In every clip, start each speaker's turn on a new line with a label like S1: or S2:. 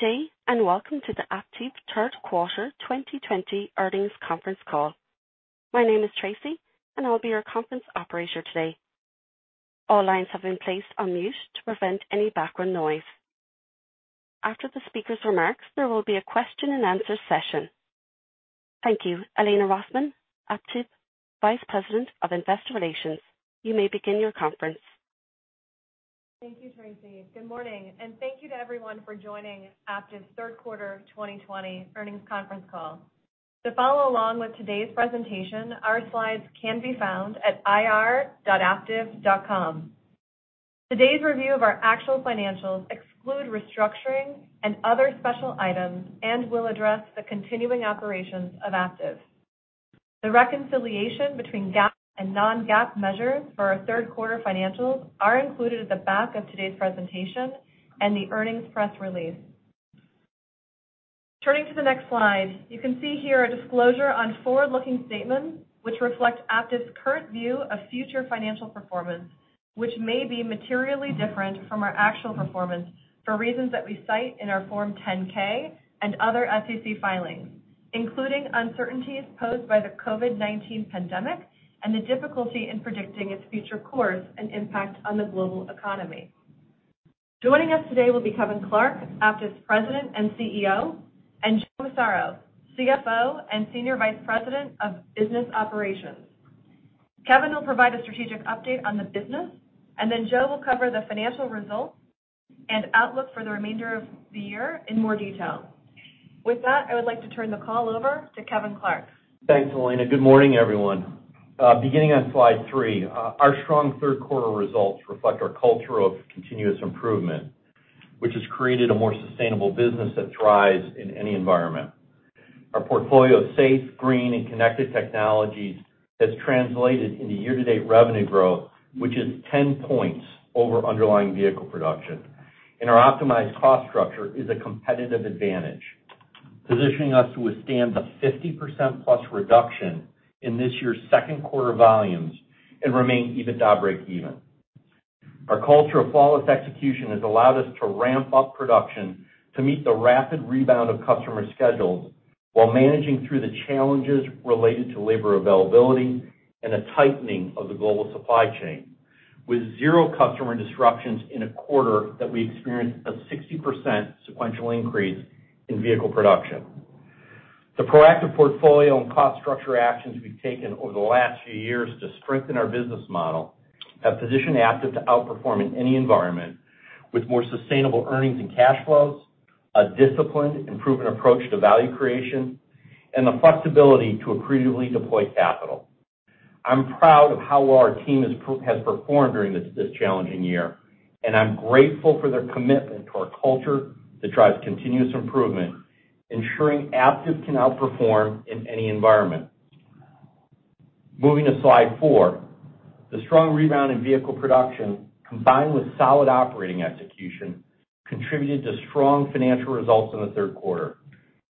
S1: Good day and welcome to the Aptiv third quarter 2020 earnings conference call. My name is Tracy, and I'll be your conference operator today. All lines have been placed on mute to prevent any background noise. After the speaker's remarks, there will be a question-and-answer session. Thank you. Elena Rosman, Aptiv Vice President of Investor Relations. You may begin your conference.
S2: Thank you, Tracy. Good morning, and thank you to everyone for joining Aptiv's Third Quarter 2020 earnings conference call. To follow along with today's presentation, our slides can be found at ir.aptiv.com. Today's review of our actual financials excludes restructuring and other special items and will address the continuing operations of Aptiv. The reconciliation between GAAP and non-GAAP measures for our third quarter financials is included at the back of today's presentation and the earnings press release. Turning to the next slide, you can see here a disclosure on forward-looking statements which reflect Aptiv's current view of future financial performance, which may be materially different from our actual performance for reasons that we cite in our Form 10-K and other SEC filings, including uncertainties posed by the COVID-19 pandemic and the difficulty in predicting its future course and impact on the global economy. Joining us today will be Kevin Clark, Aptiv's President and CEO, and Joe Massaro, CFO and Senior Vice President of Business Operations. Kevin will provide a strategic update on the business, and then Joe will cover the financial results and outlook for the remainder of the year in more detail. With that, I would like to turn the call over to Kevin Clark.
S3: Thanks, Elena. Good morning, everyone. Beginning on slide three, our strong third quarter results reflect our culture of continuous improvement, which has created a more sustainable business that thrives in any environment. Our portfolio of safe, green, and connected technologies has translated into year-to-date revenue growth, which is 10 points over underlying vehicle production. And our optimized cost structure is a competitive advantage, positioning us to withstand the 50%-plus reduction in this year's second quarter volumes and remain EBITDA break-even. Our culture of flawless execution has allowed us to ramp up production to meet the rapid rebound of customer schedules while managing through the challenges related to labor availability and a tightening of the global supply chain, with zero customer disruptions in a quarter that we experienced a 60% sequential increase in vehicle production. The proactive portfolio and cost structure actions we've taken over the last few years to strengthen our business model have positioned Aptiv to outperform in any environment with more sustainable earnings and cash flows, a disciplined, improved approach to value creation, and the flexibility to accretively deploy capital. I'm proud of how well our team has performed during this challenging year, and I'm grateful for their commitment to our culture that drives continuous improvement, ensuring Aptiv can outperform in any environment. Moving to slide four, the strong rebound in vehicle production combined with solid operating execution contributed to strong financial results in the third quarter.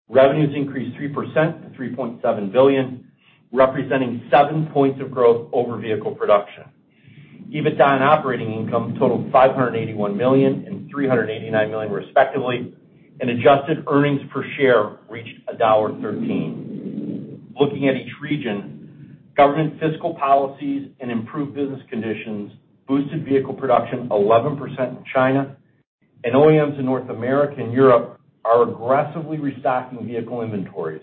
S3: Revenues increased 3% to $3.7 billion, representing 7 points of growth over vehicle production. EBITDA and operating income totaled $581 million and $389 million, respectively, and adjusted earnings per share reached $1.13. Looking at each region, government fiscal policies and improved business conditions boosted vehicle production 11% in China, and OEMs in North America and Europe are aggressively restocking vehicle inventories,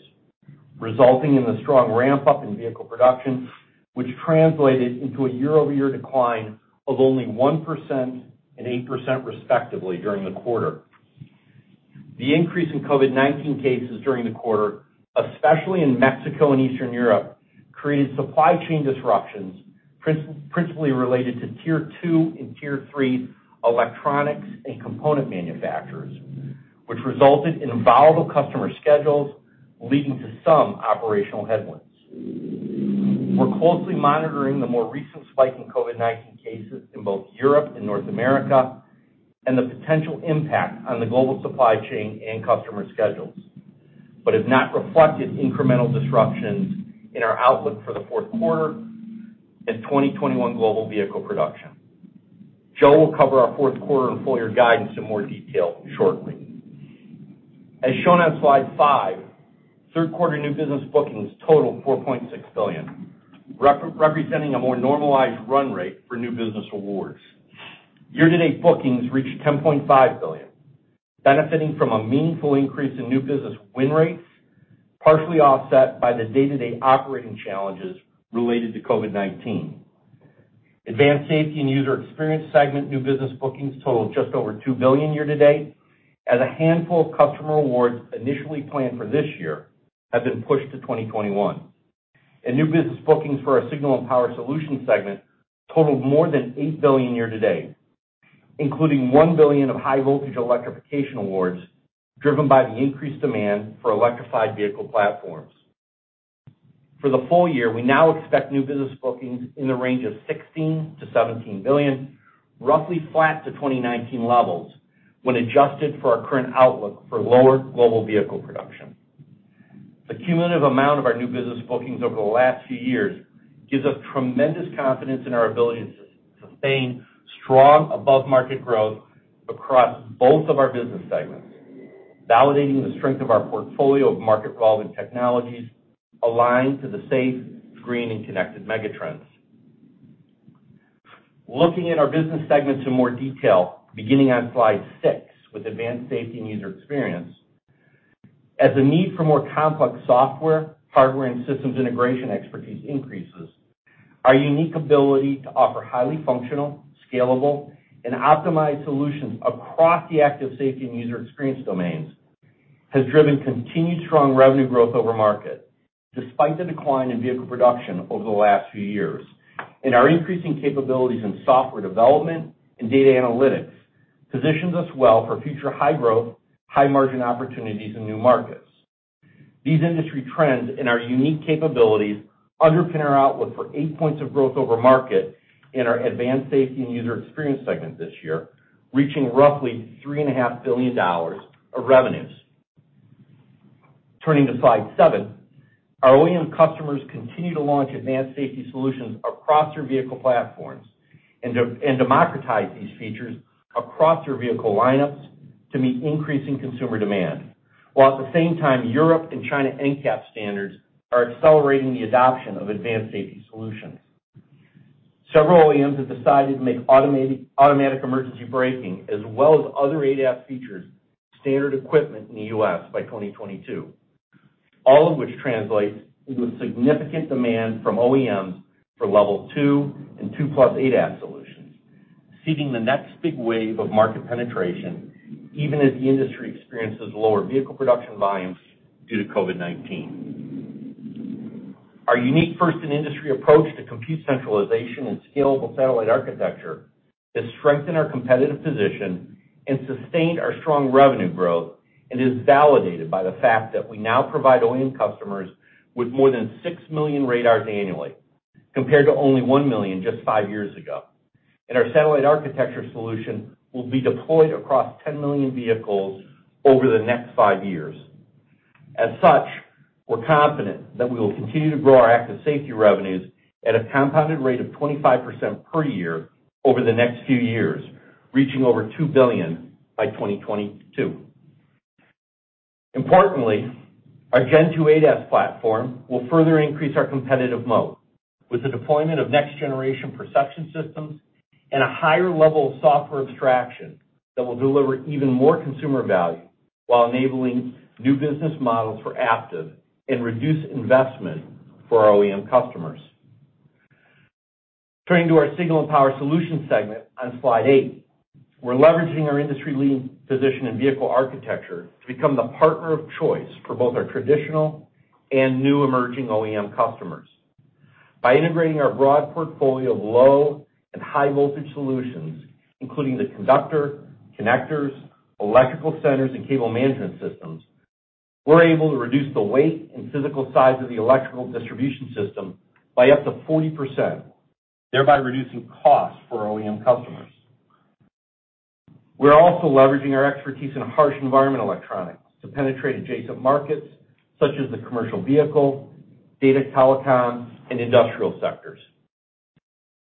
S3: resulting in the strong ramp-up in vehicle production, which translated into a year-over-year decline of only 1% and 8%, respectively, during the quarter. The increase in COVID-19 cases during the quarter, especially in Mexico and Eastern Europe, created supply chain disruptions principally related to Tier II and Tier III electronics and component manufacturers, which resulted in volatile customer schedules, leading to some operational headwinds. We're closely monitoring the more recent spike in COVID-19 cases in both Europe and North America and the potential impact on the global supply chain and customer schedules, but have not reflected incremental disruptions in our outlook for the fourth quarter and 2021 global vehicle production. Joe will cover our fourth quarter and full-year guidance in more detail shortly. As shown on slide five, third quarter new business bookings totaled $4.6 billion, representing a more normalized run rate for new business awards. Year-to-date bookings reached $10.5 billion, benefiting from a meaningful increase in new business win rates, partially offset by the day-to-day operating challenges related to COVID-19. Advanced Safety and User Experience segment new business bookings totaled just over $2 billion year-to-date, as a handful of customer awards initially planned for this year have been pushed to 2021. New business bookings for our Signal and Power Solutions segment totaled more than $8 billion year-to-date, including $1 billion of high-voltage electrification awards driven by the increased demand for electrified vehicle platforms. For the full year, we now expect new business bookings in the range of $16 billion-$17 billion, roughly flat to 2019 levels when adjusted for our current outlook for lower global vehicle production. The cumulative amount of our new business bookings over the last few years gives us tremendous confidence in our ability to sustain strong above-market growth across both of our business segments, validating the strength of our portfolio of market-relevant technologies aligned to the safe, green, and connected megatrends. Looking at our business segments in more detail, beginning on slide six with Advanced Safety and User Experience, as the need for more complex software, hardware, and systems integration expertise increases, our unique ability to offer highly functional, scalable, and optimized solutions across the Active Safety and User Experience domains has driven continued strong revenue growth over market despite the decline in vehicle production over the last few years. And our increasing capabilities in software development and data analytics positions us well for future high-growth, high-margin opportunities in new markets. These industry trends and our unique capabilities underpin our outlook for 8 points of growth over market in our Advanced Safety and User Experience segment this year, reaching roughly $3.5 billion of revenues. Turning to slide seven, our OEM customers continue to launch advanced safety solutions across their vehicle platforms and democratize these features across their vehicle lineups to meet increasing consumer demand, while at the same time, Europe and China NCAP standards are accelerating the adoption of advanced safety solutions. Several OEMs have decided to make automatic emergency braking, as well as other ADAS features, standard equipment in the U.S. by 2022, all of which translates into a significant demand from OEMs for Level 2 and 2+ ADAS solutions, seeding the next big wave of market penetration, even as the industry experiences lower vehicle production volumes due to COVID-19. Our unique first-in-industry approach to compute centralization and scalable satellite architecture has strengthened our competitive position and sustained our strong revenue growth and is validated by the fact that we now provide OEM customers with more than six million radars annually, compared to only one million just five years ago. And our satellite architecture solution will be deployed across 10 million vehicles over the next five years. As such, we're confident that we will continue to grow our active safety revenues at a compounded rate of 25% per year over the next few years, reaching over $2 billion by 2022. Importantly, our Gen 2 ADAS platform will further increase our competitive moat with the deployment of next-generation perception systems and a higher level of software abstraction that will deliver even more consumer value while enabling new business models for Aptiv and reduce investment for our OEM customers. Turning to our Signal and Power Solutions segment on slide eight, we're leveraging our industry-leading position in vehicle architecture to become the partner of choice for both our traditional and new emerging OEM customers. By integrating our broad portfolio of low and high-voltage solutions, including the conductor, connectors, electrical centers, and cable management systems, we're able to reduce the weight and physical size of the electrical distribution system by up to 40%, thereby reducing costs for OEM customers. We're also leveraging our expertise in harsh environment electronics to penetrate adjacent markets such as the commercial vehicle, data telecoms, and industrial sectors.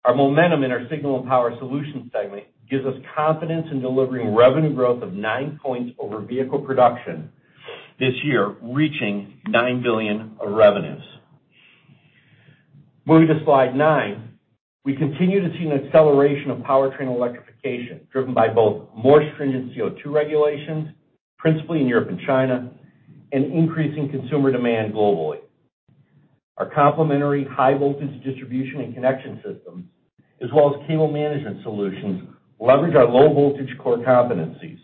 S3: Our momentum in our Signal and Power Solutions segment gives us confidence in delivering revenue growth of nine points over vehicle production this year, reaching $9 billion of revenues. Moving to slide nine, we continue to see an acceleration of powertrain electrification driven by both more stringent CO2 regulations, principally in Europe and China, and increasing consumer demand globally. Our complementary high-voltage distribution and connection systems, as well as cable management solutions, leverage our low-voltage core competencies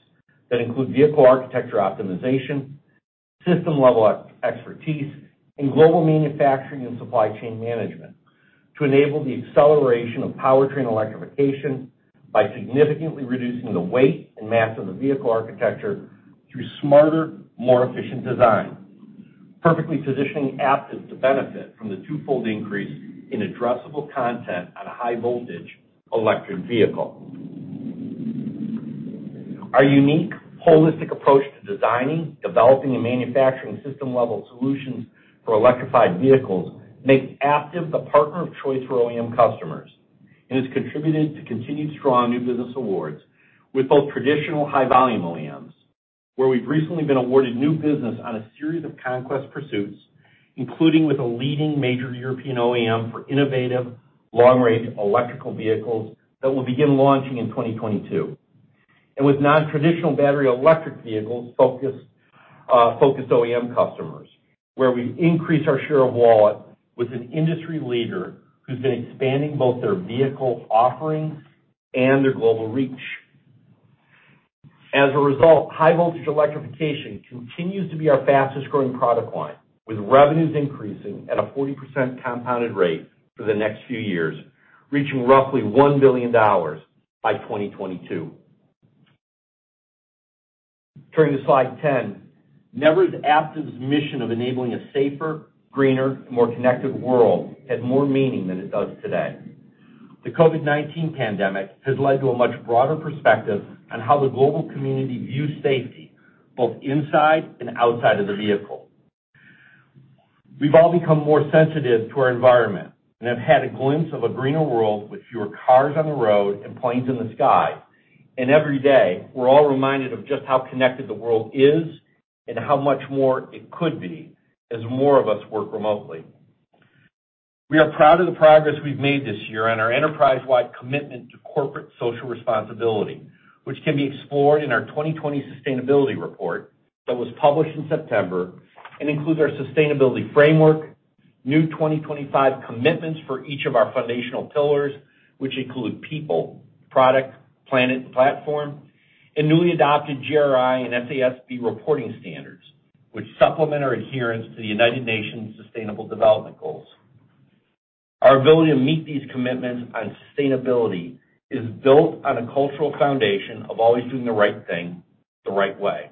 S3: that include vehicle architecture optimization, system-level expertise, and global manufacturing and supply chain management to enable the acceleration of powertrain electrification by significantly reducing the weight and mass of the vehicle architecture through smarter, more efficient design, perfectly positioning Aptiv to benefit from the twofold increase in addressable content on a high-voltage electric vehicle. Our unique, holistic approach to designing, developing, and manufacturing system-level solutions for electrified vehicles makes Aptiv the partner of choice for OEM customers and has contributed to continued strong new business awards with both traditional high-volume OEMs, where we've recently been awarded new business on a series of conquest pursuits, including with a leading major European OEM for innovative long-range electrical vehicles that will begin launching in 2022, and with non-traditional battery electric vehicles-focused OEM customers, where we've increased our share of wallet with an industry leader who's been expanding both their vehicle offerings and their global reach. As a result, high-voltage electrification continues to be our fastest-growing product line, with revenues increasing at a 40% compounded rate for the next few years, reaching roughly $1 billion by 2022. Turning to slide 10, never has Aptiv's mission of enabling a safer, greener, and more connected world had more meaning than it does today. The COVID-19 pandemic has led to a much broader perspective on how the global community views safety, both inside and outside of the vehicle. We've all become more sensitive to our environment and have had a glimpse of a greener world with fewer cars on the road and planes in the sky, and every day, we're all reminded of just how connected the world is and how much more it could be as more of us work remotely. We are proud of the progress we've made this year on our enterprise-wide commitment to corporate social responsibility, which can be explored in our 2020 sustainability report that was published in September and includes our sustainability framework, new 2025 commitments for each of our foundational pillars, which include people, product, planet, and platform, and newly adopted GRI and SASB reporting standards, which supplement our adherence to the United Nations Sustainable Development Goals. Our ability to meet these commitments on sustainability is built on a cultural foundation of always doing the right thing the right way.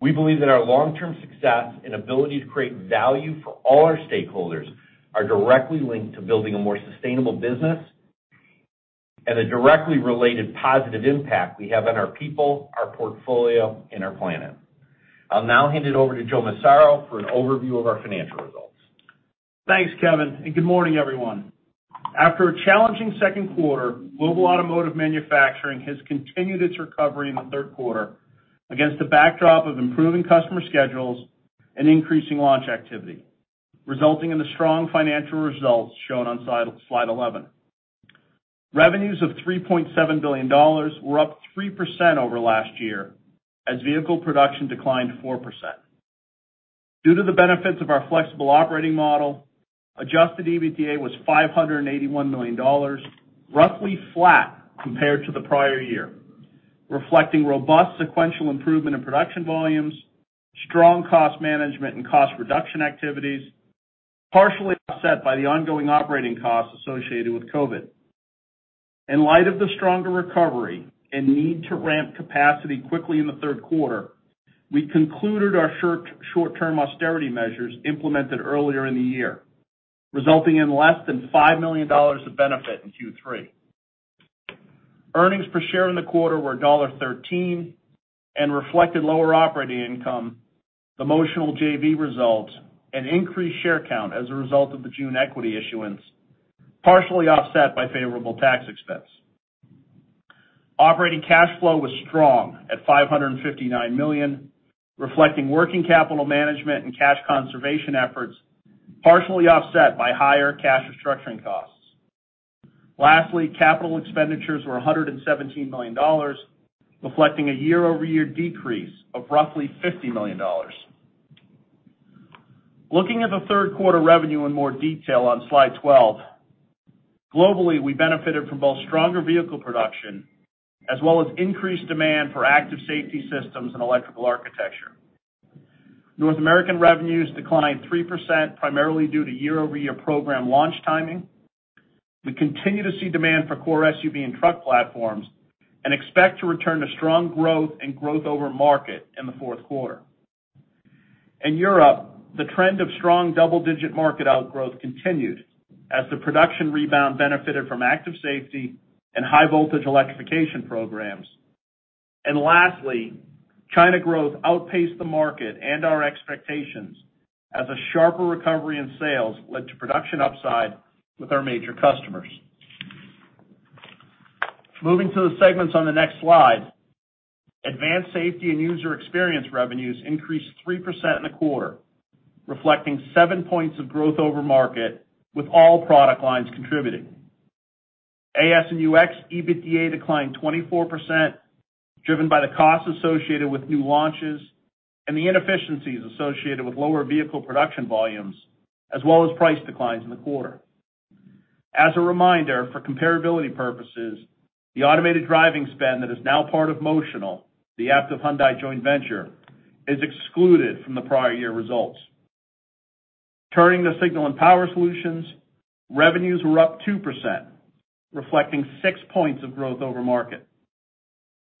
S3: We believe that our long-term success and ability to create value for all our stakeholders are directly linked to building a more sustainable business and the directly related positive impact we have on our people, our portfolio, and our planet. I'll now hand it over to Joe Massaro for an overview of our financial results.
S4: Thanks, Kevin. And good morning, everyone. After a challenging second quarter, global automotive manufacturing has continued its recovery in the third quarter against the backdrop of improving customer schedules and increasing launch activity, resulting in the strong financial results shown on slide 11. Revenues of $3.7 billion were up 3% over last year as vehicle production declined 4%. Due to the benefits of our flexible operating model, adjusted EBITDA was $581 million, roughly flat compared to the prior year, reflecting robust sequential improvement in production volumes, strong cost management, and cost reduction activities, partially offset by the ongoing operating costs associated with COVID. In light of the stronger recovery and need to ramp capacity quickly in the third quarter, we concluded our short-term austerity measures implemented earlier in the year, resulting in less than $5 million of benefit in Q3. Earnings per share in the quarter were $1.13 and reflected lower operating income, the Motional JV results, and increased share count as a result of the June equity issuance, partially offset by favorable tax expense. Operating cash flow was strong at $559 million, reflecting working capital management and cash conservation efforts, partially offset by higher cash restructuring costs. Lastly, capital expenditures were $117 million, reflecting a year-over-year decrease of roughly $50 million. Looking at the third quarter revenue in more detail on Slide 12, globally, we benefited from both stronger vehicle production as well as increased demand for Active Safety systems and electrical architecture. North American revenues declined 3%, primarily due to year-over-year program launch timing. We continue to see demand for core SUV and truck platforms and expect to return to strong growth and growth over market in the fourth quarter. In Europe, the trend of strong double-digit market outgrowth continued as the production rebound benefited from active safety and high-voltage electrification programs, and lastly, China growth outpaced the market and our expectations as a sharper recovery in sales led to production upside with our major customers. Moving to the segments on the next slide, advanced safety and user experience revenues increased 3% in the quarter, reflecting 7 points of growth over market with all product lines contributing. AS and UX EBITDA declined 24%, driven by the costs associated with new launches and the inefficiencies associated with lower vehicle production volumes, as well as price declines in the quarter. As a reminder, for comparability purposes, the automated driving spend that is now part of Motional, the Aptiv-Hyundai joint venture, is excluded from the prior year results. Turning to Signal and Power Solutions, revenues were up 2%, reflecting 6 points of growth over market.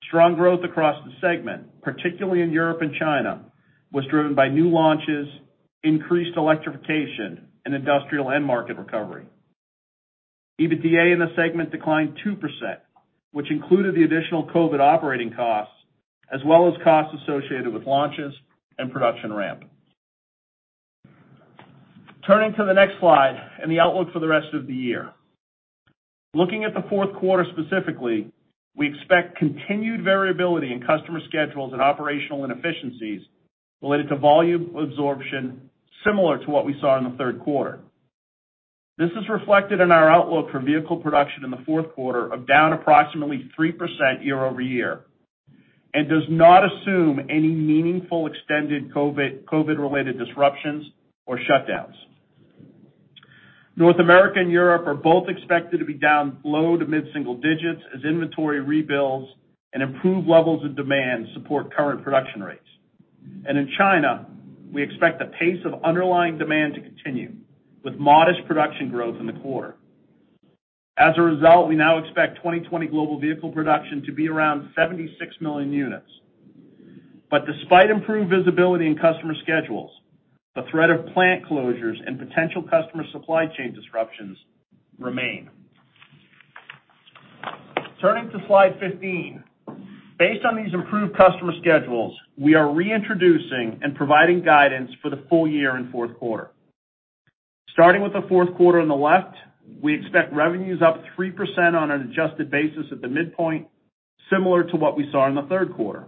S4: Strong growth across the segment, particularly in Europe and China, was driven by new launches, increased electrification, and industrial end market recovery. EBITDA in the segment declined 2%, which included the additional COVID operating costs as well as costs associated with launches and production ramp. Turning to the next slide and the outlook for the rest of the year. Looking at the fourth quarter specifically, we expect continued variability in customer schedules and operational inefficiencies related to volume absorption, similar to what we saw in the third quarter. This is reflected in our outlook for vehicle production in the fourth quarter of down approximately 3% year-over-year and does not assume any meaningful extended COVID-related disruptions or shutdowns. North America and Europe are both expected to be down low to mid-single digits as inventory rebuilds and improved levels of demand support current production rates. And in China, we expect the pace of underlying demand to continue with modest production growth in the quarter. As a result, we now expect 2020 global vehicle production to be around 76 million units. But despite improved visibility in customer schedules, the threat of plant closures and potential customer supply chain disruptions remain. Turning to slide 15, based on these improved customer schedules, we are reintroducing and providing guidance for the full year and fourth quarter. Starting with the fourth quarter on the left, we expect revenues up 3% on an adjusted basis at the midpoint, similar to what we saw in the third quarter.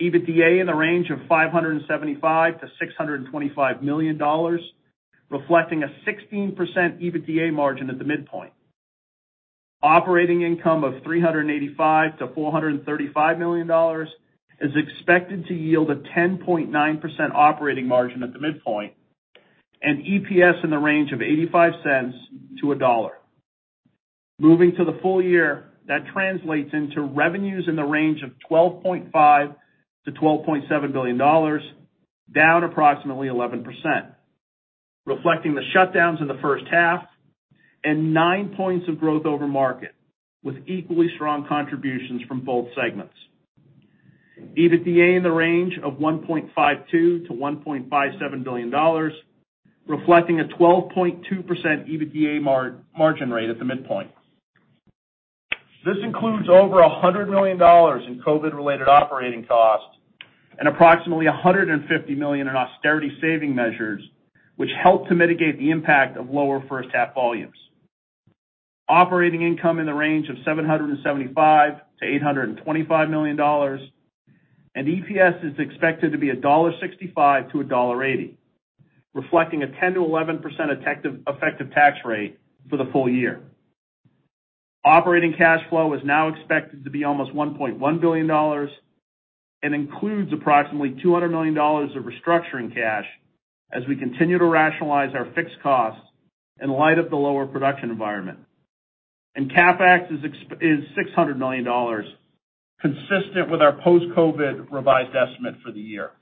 S4: EBITDA in the range of $575-$625 million, reflecting a 16% EBITDA margin at the midpoint. Operating income of $385-$435 million is expected to yield a 10.9% operating margin at the midpoint and EPS in the range of $0.85-$1. Moving to the full year, that translates into revenues in the range of $12.5-$12.7 billion, down approximately 11%, reflecting the shutdowns in the first half and 9 points of growth over market with equally strong contributions from both segments. EBITDA in the range of $1.52-$1.57 billion, reflecting a 12.2% EBITDA margin rate at the midpoint. This includes over $100 million in COVID-related operating costs and approximately $150 million in austerity saving measures, which helped to mitigate the impact of lower first-half volumes. Operating income in the range of $775-$825 million, and EPS is expected to be $1.65-$1.80, reflecting a 10%-11% effective tax rate for the full year. Operating cash flow is now expected to be almost $1.1 billion and includes approximately $200 million of restructuring cash as we continue to rationalize our fixed costs in light of the lower production environment, and CapEx is $600 million, consistent with our post-COVID revised estimate for the year.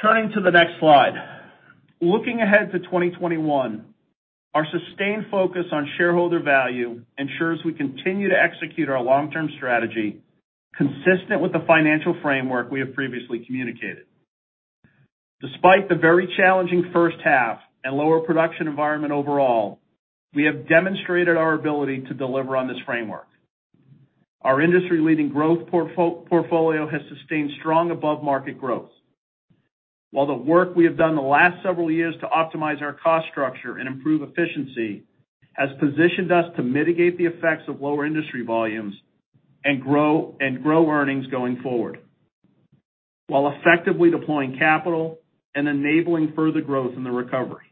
S4: Turning to the next slide. Looking ahead to 2021, our sustained focus on shareholder value ensures we continue to execute our long-term strategy consistent with the financial framework we have previously communicated. Despite the very challenging first half and lower production environment overall, we have demonstrated our ability to deliver on this framework. Our industry-leading growth portfolio has sustained strong above-market growth, while the work we have done the last several years to optimize our cost structure and improve efficiency has positioned us to mitigate the effects of lower industry volumes and grow earnings going forward, while effectively deploying capital and enabling further growth in the recovery.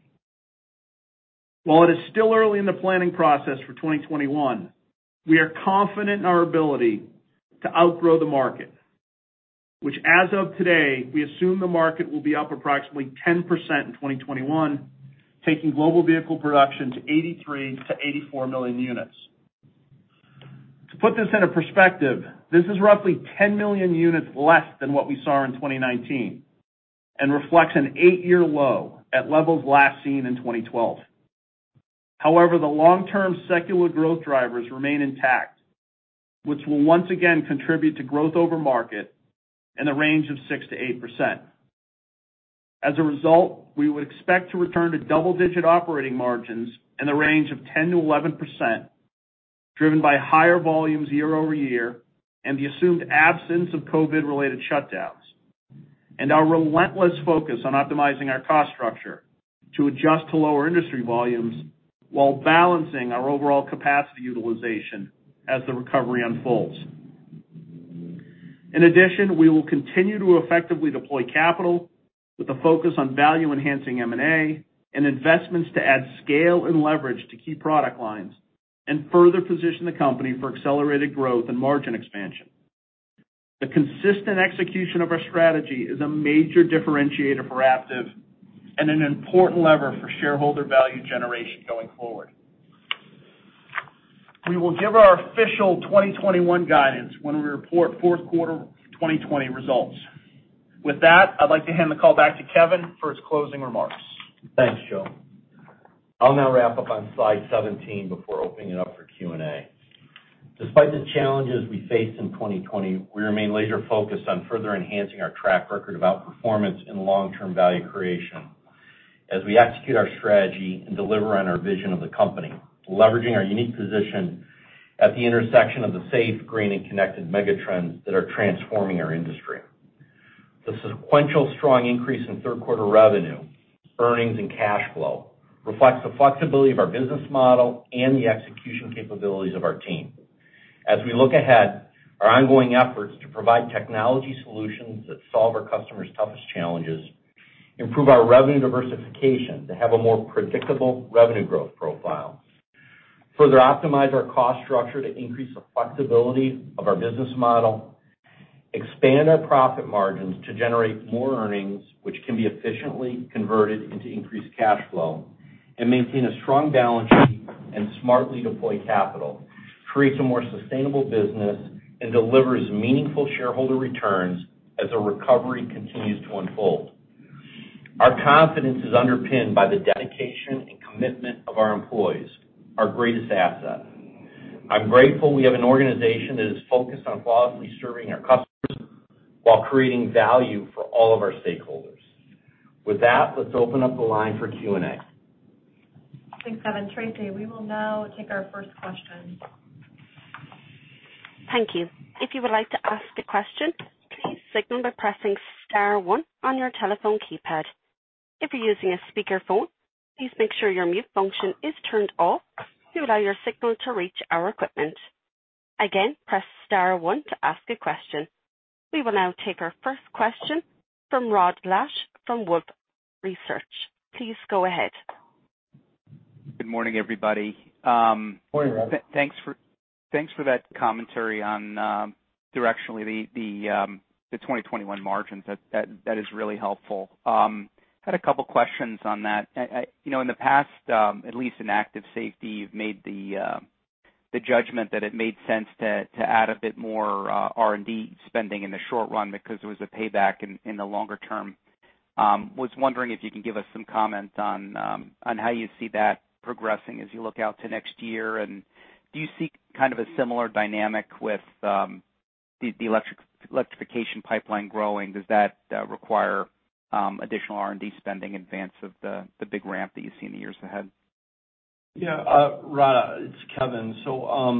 S4: While it is still early in the planning process for 2021, we are confident in our ability to outgrow the market, which, as of today, we assume the market will be up approximately 10% in 2021, taking global vehicle production to 83-84 million units. To put this into perspective, this is roughly 10 million units less than what we saw in 2019 and reflects an eight-year low at levels last seen in 2012. However, the long-term secular growth drivers remain intact, which will once again contribute to growth over market in the range of 6%-8%. As a result, we would expect to return to double-digit operating margins in the range of 10%-11%, driven by higher volumes year-over-year and the assumed absence of COVID-related shutdowns, and our relentless focus on optimizing our cost structure to adjust to lower industry volumes while balancing our overall capacity utilization as the recovery unfolds. In addition, we will continue to effectively deploy capital with a focus on value-enhancing M&A and investments to add scale and leverage to key product lines and further position the company for accelerated growth and margin expansion. The consistent execution of our strategy is a major differentiator for Aptiv and an important lever for shareholder value generation going forward. We will give our official 2021 guidance when we report fourth quarter 2020 results. With that, I'd like to hand the call back to Kevin for his closing remarks.
S3: Thanks, Joe. I'll now wrap up on slide 17 before opening it up for Q&A. Despite the challenges we faced in 2020, we remain laser-focused on further enhancing our track record of outperformance and long-term value creation as we execute our strategy and deliver on our vision of the company, leveraging our unique position at the intersection of the safe, green, and connected megatrends that are transforming our industry. The sequential strong increase in third-quarter revenue, earnings, and cash flow reflects the flexibility of our business model and the execution capabilities of our team. As we look ahead, our ongoing efforts to provide technology solutions that solve our customers' toughest challenges, improve our revenue diversification to have a more predictable revenue growth profile, further optimize our cost structure to increase the flexibility of our business model, expand our profit margins to generate more earnings, which can be efficiently converted into increased cash flow, and maintain a strong balance sheet and smartly deploy capital, create a more sustainable business, and deliver meaningful shareholder returns as the recovery continues to unfold. Our confidence is underpinned by the dedication and commitment of our employees, our greatest asset. I'm grateful we have an organization that is focused on flawlessly serving our customers while creating value for all of our stakeholders. With that, let's open up the line for Q&A.
S2: Thanks, Kevin. Tracy, we will now take our first question.
S1: Thank you. If you would like to ask a question, please signal by pressing Star 1 on your telephone keypad. If you're using a speakerphone, please make sure your mute function is turned off to allow your signal to reach our equipment. Again, press Star 1 to ask a question. We will now take our first question from Rod Lache from Wolfe Research. Please go ahead.
S5: Good morning, everybody.
S3: Good morning, Rod.
S5: Thanks for that commentary on, directionally, the 2021 margins. That is really helpful. I had a couple of questions on that. In the past, at least in active safety, you've made the judgment that it made sense to add a bit more R&D spending in the short run because there was a payback in the longer term. I was wondering if you can give us some comment on how you see that progressing as you look out to next year. Do you see kind of a similar dynamic with the electrification pipeline growing? Does that require additional R&D spending in advance of the big ramp that you see in the years ahead?
S3: Yeah. Rod, it's Kevin. So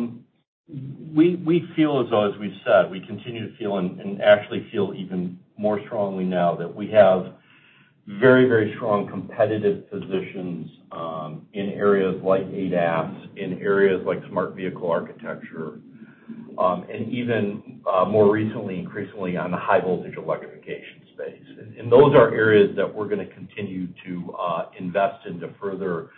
S3: we feel, as we've said, we continue to feel and actually feel even more strongly now that we have very, very strong competitive positions in areas like ADAS, in areas like smart vehicle architecture, and even more recently, increasingly on the high-voltage electrification space. And those are areas that we're going to continue to invest in to further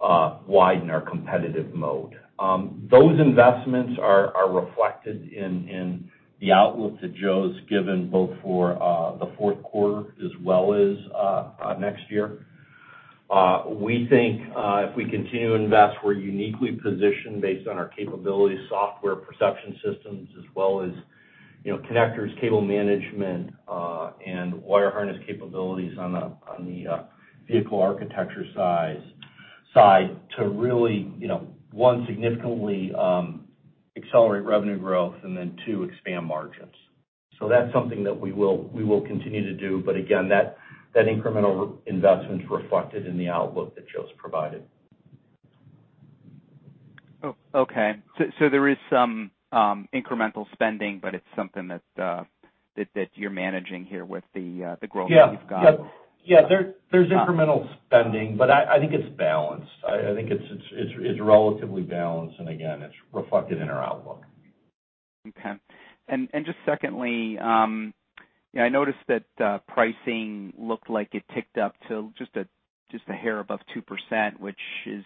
S3: widen our competitive moat. Those investments are reflected in the outlook that Joe has given both for the fourth quarter as well as next year. We think if we continue to invest, we're uniquely positioned based on our capabilities, software perception systems, as well as connectors, cable management, and wire harness capabilities on the vehicle architecture side to really, one, significantly accelerate revenue growth, and then, two, expand margins. So that's something that we will continue to do. But again, that incremental investment is reflected in the outlook that Joe's provided.
S5: Okay. So there is some incremental spending, but it's something that you're managing here with the growth that you've got?
S3: Yeah. Yeah. There's incremental spending, but I think it's balanced. I think it's relatively balanced, and again, it's reflected in our outlook.
S5: Okay. And just secondly, I noticed that pricing looked like it ticked up to just a hair above 2%, which is,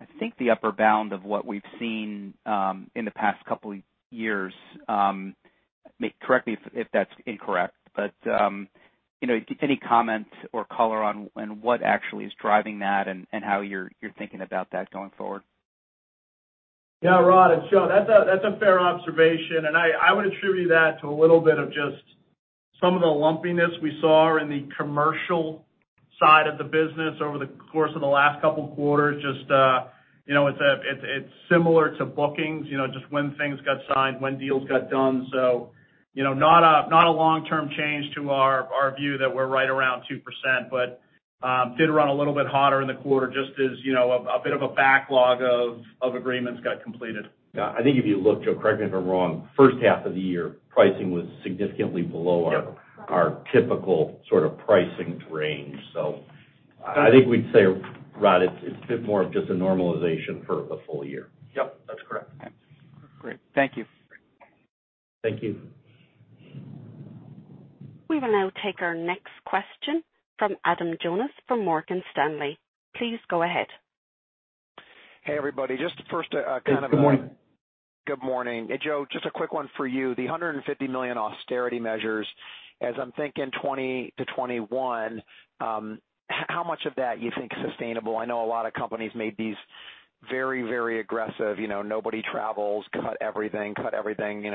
S5: I think, the upper bound of what we've seen in the past couple of years. Correct me if that's incorrect, but any comment or color on what actually is driving that and how you're thinking about that going forward?
S4: Yeah. Rod, it's Joe. That's a fair observation, and I would attribute that to a little bit of just some of the lumpiness we saw in the commercial side of the business over the course of the last couple of quarters. Just it's similar to bookings, just when things got signed, when deals got done. So not a long-term change to our view that we're right around 2%, but did run a little bit hotter in the quarter just as a bit of a backlog of agreements got completed.
S3: I think if you look, Joe, correct me if I'm wrong. First half of the year, pricing was significantly below our typical sort of pricing range. So I think we'd say, Rod, it's a bit more of just a normalization for the full year.
S4: Yep. That's correct.
S3: Okay. Great.
S4: Thank you.
S5: Thank you.
S1: We will now take our next question from Adam Jonas from Morgan Stanley. Please go ahead.
S6: Hey, everybody. Just first, kind of a
S3: good morning.
S6: Good morning. Joe, just a quick one for you. The $150 million austerity measures, as I'm thinking 2020 to 2021, how much of that you think is sustainable? I know a lot of companies made these very, very aggressive, "Nobody travels, cut everything, cut everything,"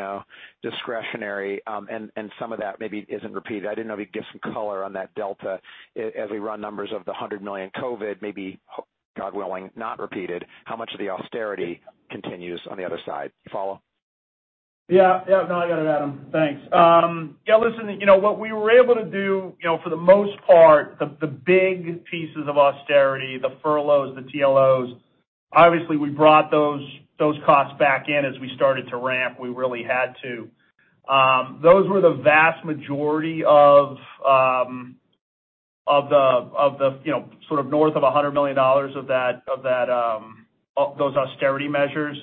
S6: discretionary, and some of that maybe isn't repeated. I didn't know if you could get some color on that delta as we run numbers of the $100 million COVID, maybe, God willing, not repeated. How much of the austerity continues on the other side? You follow?
S4: Yeah. Yep. No, I got it, Adam. Thanks. Yeah. Listen, what we were able to do, for the most part, the big pieces of austerity, the furloughs, the TLOs, obviously, we brought those costs back in as we started to ramp. We really had to. Those were the vast majority of the sort of north of $100 million of those austerity measures.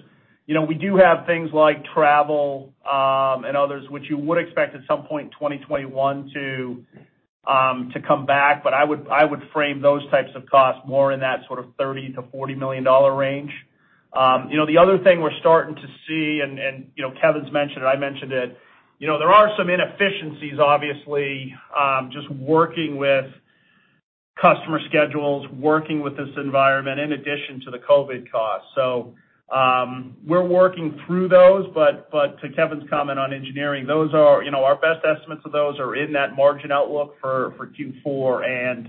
S4: We do have things like travel and others, which you would expect at some point in 2021 to come back, but I would frame those types of costs more in that sort of $30-$40 million range. The other thing we're starting to see, and Kevin's mentioned it, I mentioned it, there are some inefficiencies, obviously, just working with customer schedules, working with this environment in addition to the COVID costs. We're working through those, but to Kevin's comment on engineering, our best estimates of those are in that margin outlook for Q4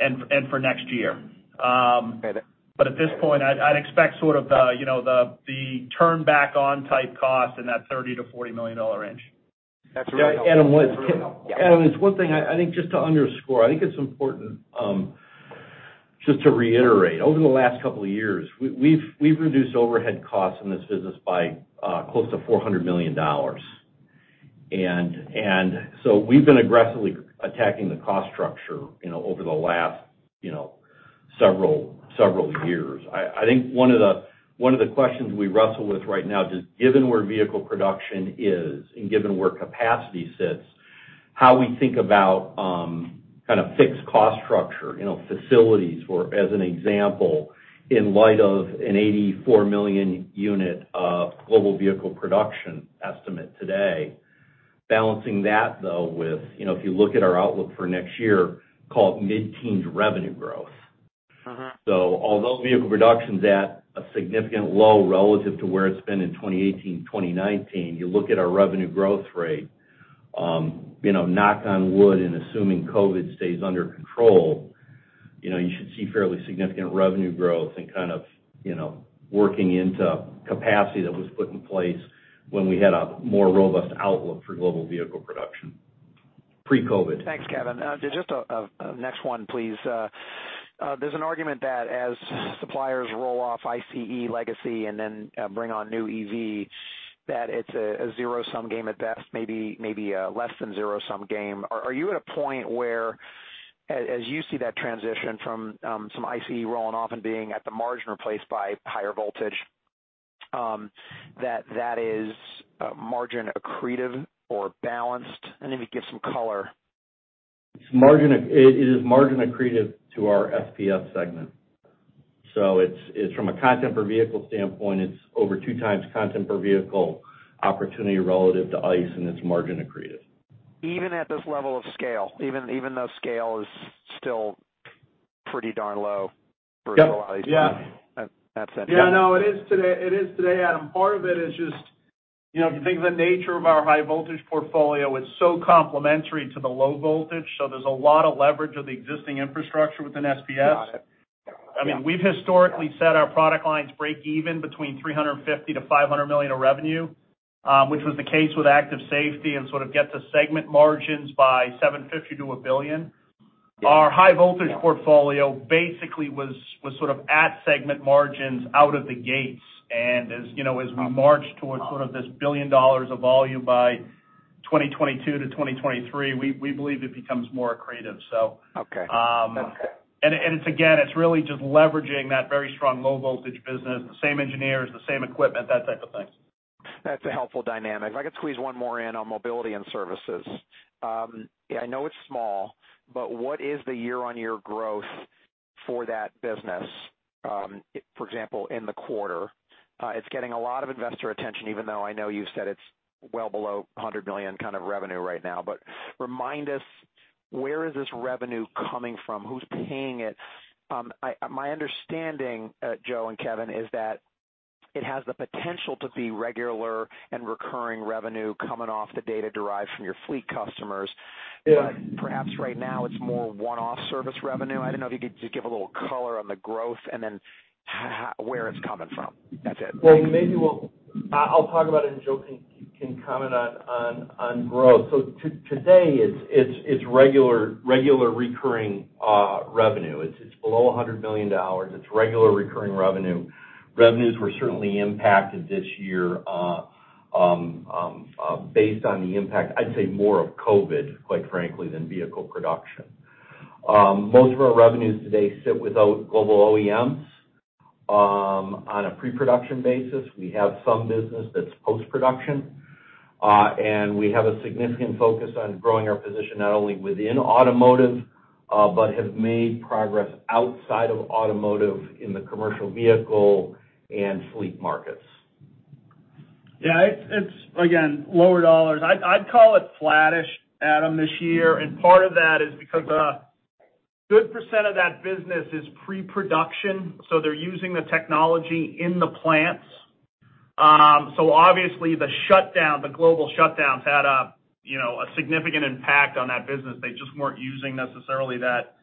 S4: and for next year. But at this point, I'd expect sort of the turn-back-on type costs in that $30-$40 million range.
S6: That's a really helpful comment.
S3: Adam, it's one thing I think just to underscore. I think it's important just to reiterate. Over the last couple of years, we've reduced overhead costs in this business by close to $400 million. And so we've been aggressively attacking the cost structure over the last several years. I think one of the questions we wrestle with right now, just given where vehicle production is and given where capacity sits, how we think about kind of fixed cost structure, facilities, as an example, in light of an 84 million unit global vehicle production estimate today, balancing that, though, with, if you look at our outlook for next year, call it mid-teens revenue growth. So although vehicle production's at a significant low relative to where it's been in 2018, 2019, you look at our revenue growth rate, knock on wood, and assuming COVID stays under control, you should see fairly significant revenue growth and kind of working into capacity that was put in place when we had a more robust outlook for global vehicle production pre-COVID.
S6: Thanks, Kevin. Just a next one, please. There's an argument that as suppliers roll off ICE legacy and then bring on new EV, that it's a zero-sum game at best, maybe less than zero-sum game. Are you at a point where, as you see that transition from some ICE rolling off and being at the margin replaced by higher voltage, that that is margin accretive or balanced? And if you could give some color.
S3: It is margin accretive to our SPS segment. So from a content per vehicle standpoint, it's over two times content per vehicle opportunity relative to ICE, and it's margin accretive. Even at this level of scale, even though scale is still pretty darn low for a lot of these companies.
S6: That's interesting.
S4: Yeah. No, it is today. It is today, Adam. Part of it is just if you think of the nature of our high-voltage portfolio, it's so complementary to the low voltage. So there's a lot of leverage of the existing infrastructure within SPS. I mean, we've historically set our product lines break even between $350-$500 million of revenue, which was the case with active safety and sort of get to segment margins by $750 million to $1 billion. Our high-voltage portfolio basically was sort of at segment margins out of the gates. And as we march towards sort of this $1 billion of volume by 2022 to 2023, we believe it becomes more accretive. So
S6: okay. That's good.
S4: And again, it's really just leveraging that very strong low-voltage business, the same engineers, the same equipment, that type of thing.
S6: That's a helpful dynamic. If I could squeeze one more in on mobility and services. I know it's small, but what is the year-on-year growth for that business, for example, in the quarter? It's getting a lot of investor attention, even though I know you've said it's well below $100 million kind of revenue right now. But remind us, where is this revenue coming from? Who's paying it? My understanding, Joe and Kevin, is that it has the potential to be regular and recurring revenue coming off the data derived from your fleet customers. But perhaps right now, it's more one-off service revenue. I don't know if you could just give a little color on the growth and then where it's coming from. That's it.
S4: Well, maybe
S3: I'll talk about it, and Joe can comment on growth. So today, it's regular recurring revenue. It's below $100 million. It's regular recurring revenue. Revenues were certainly impacted this year based on the impact. I'd say, more of COVID, quite frankly, than vehicle production. Most of our revenues today sit with global OEMs on a pre-production basis. We have some business that's post-production. And we have a significant focus on growing our position not only within automotive but have made progress outside of automotive in the commercial vehicle and fleet markets.
S4: Yeah. It's, again, lower dollars. I'd call it flattish, Adam, this year. And part of that is because a good percent of that business is pre-production. So they're using the technology in the plants. So obviously, the global shutdowns had a significant impact on that business. They just weren't using necessarily that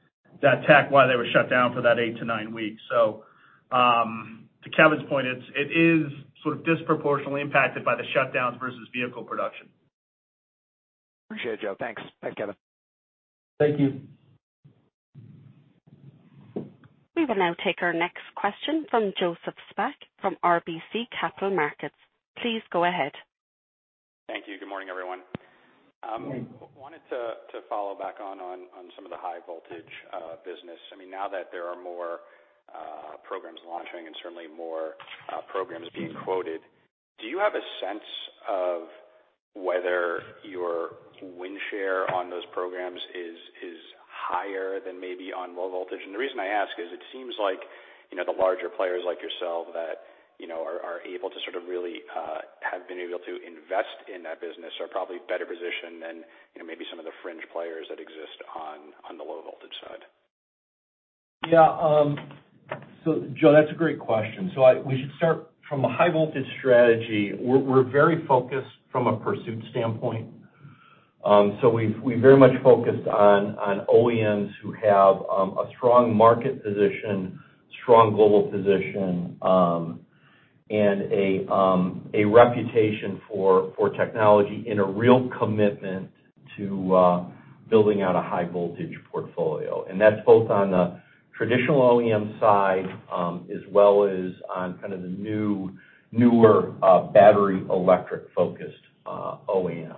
S4: tech while they were shut down for that eight-to-nine weeks. So to Kevin's point, it is sort of disproportionately impacted by the shutdowns versus vehicle production.
S6: Appreciate it, Joe. Thanks. Thanks, Kevin.
S3: Thank you.
S1: We will now take our next question from Joseph Spak from RBC Capital Markets. Please go ahead.
S7: Thank you. Good morning, everyone. I wanted to follow up on some of the high-voltage business. I mean, now that there are more programs launching and certainly more programs being quoted, do you have a sense of whether your win share on those programs is higher than maybe on low voltage? And the reason I ask is it seems like the larger players like yourself that are able to sort of really have been able to invest in that business are probably better positioned than maybe some of the fringe players that exist on the low-voltage side.
S3: Yeah. So Jo, that's a great question. So we should start from a high-voltage strategy. We're very focused from a pursuit standpoint. So we've very much focused on OEMs who have a strong market position, strong global position, and a reputation for technology and a real commitment to building out a high-voltage portfolio. And that's both on the traditional OEM side as well as on kind of the newer battery electric-focused OEMs.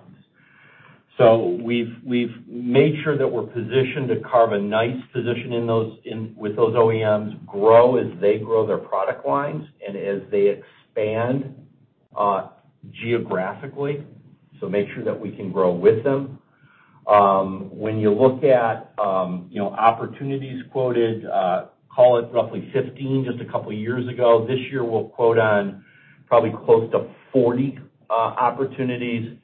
S3: So we've made sure that we're positioned to carve a nice position with those OEMs, grow as they grow their product lines, and as they expand geographically. So make sure that we can grow with them. When you look at opportunities quoted, call it roughly 15 just a couple of years ago, this year, we'll quote on probably close to 40 opportunities.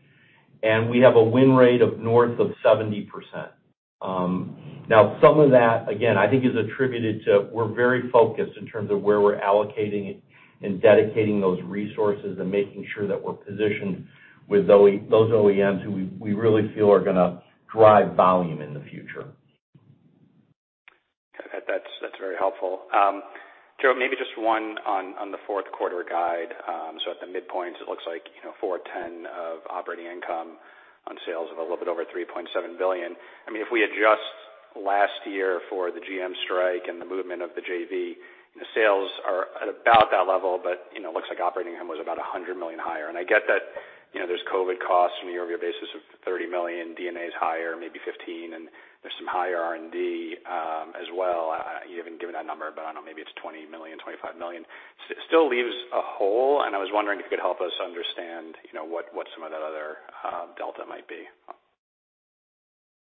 S3: And we have a win rate of north of 70%. Now, some of that, again, I think, is attributed to we're very focused in terms of where we're allocating and dedicating those resources and making sure that we're positioned with those OEMs who we really feel are going to drive volume in the future.
S7: That's very helpful. Joe, maybe just one on the fourth quarter guide. So at the midpoint, it looks like $410 million of operating income on sales of a little bit over $3.7 billion. I mean, if we adjust last year for the GM strike and the movement of the JV, sales are at about that level, but it looks like operating income was about $100 million higher. And I get that there's COVID costs on a year-over-year basis of $30 million, D&A is higher, maybe $15 million, and there's some higher R&D as well. You haven't given that number, but I don't know. Maybe it's $20 million-$25 million. Still leaves a hole. And I was wondering if you could help us understand what some of that other delta might be.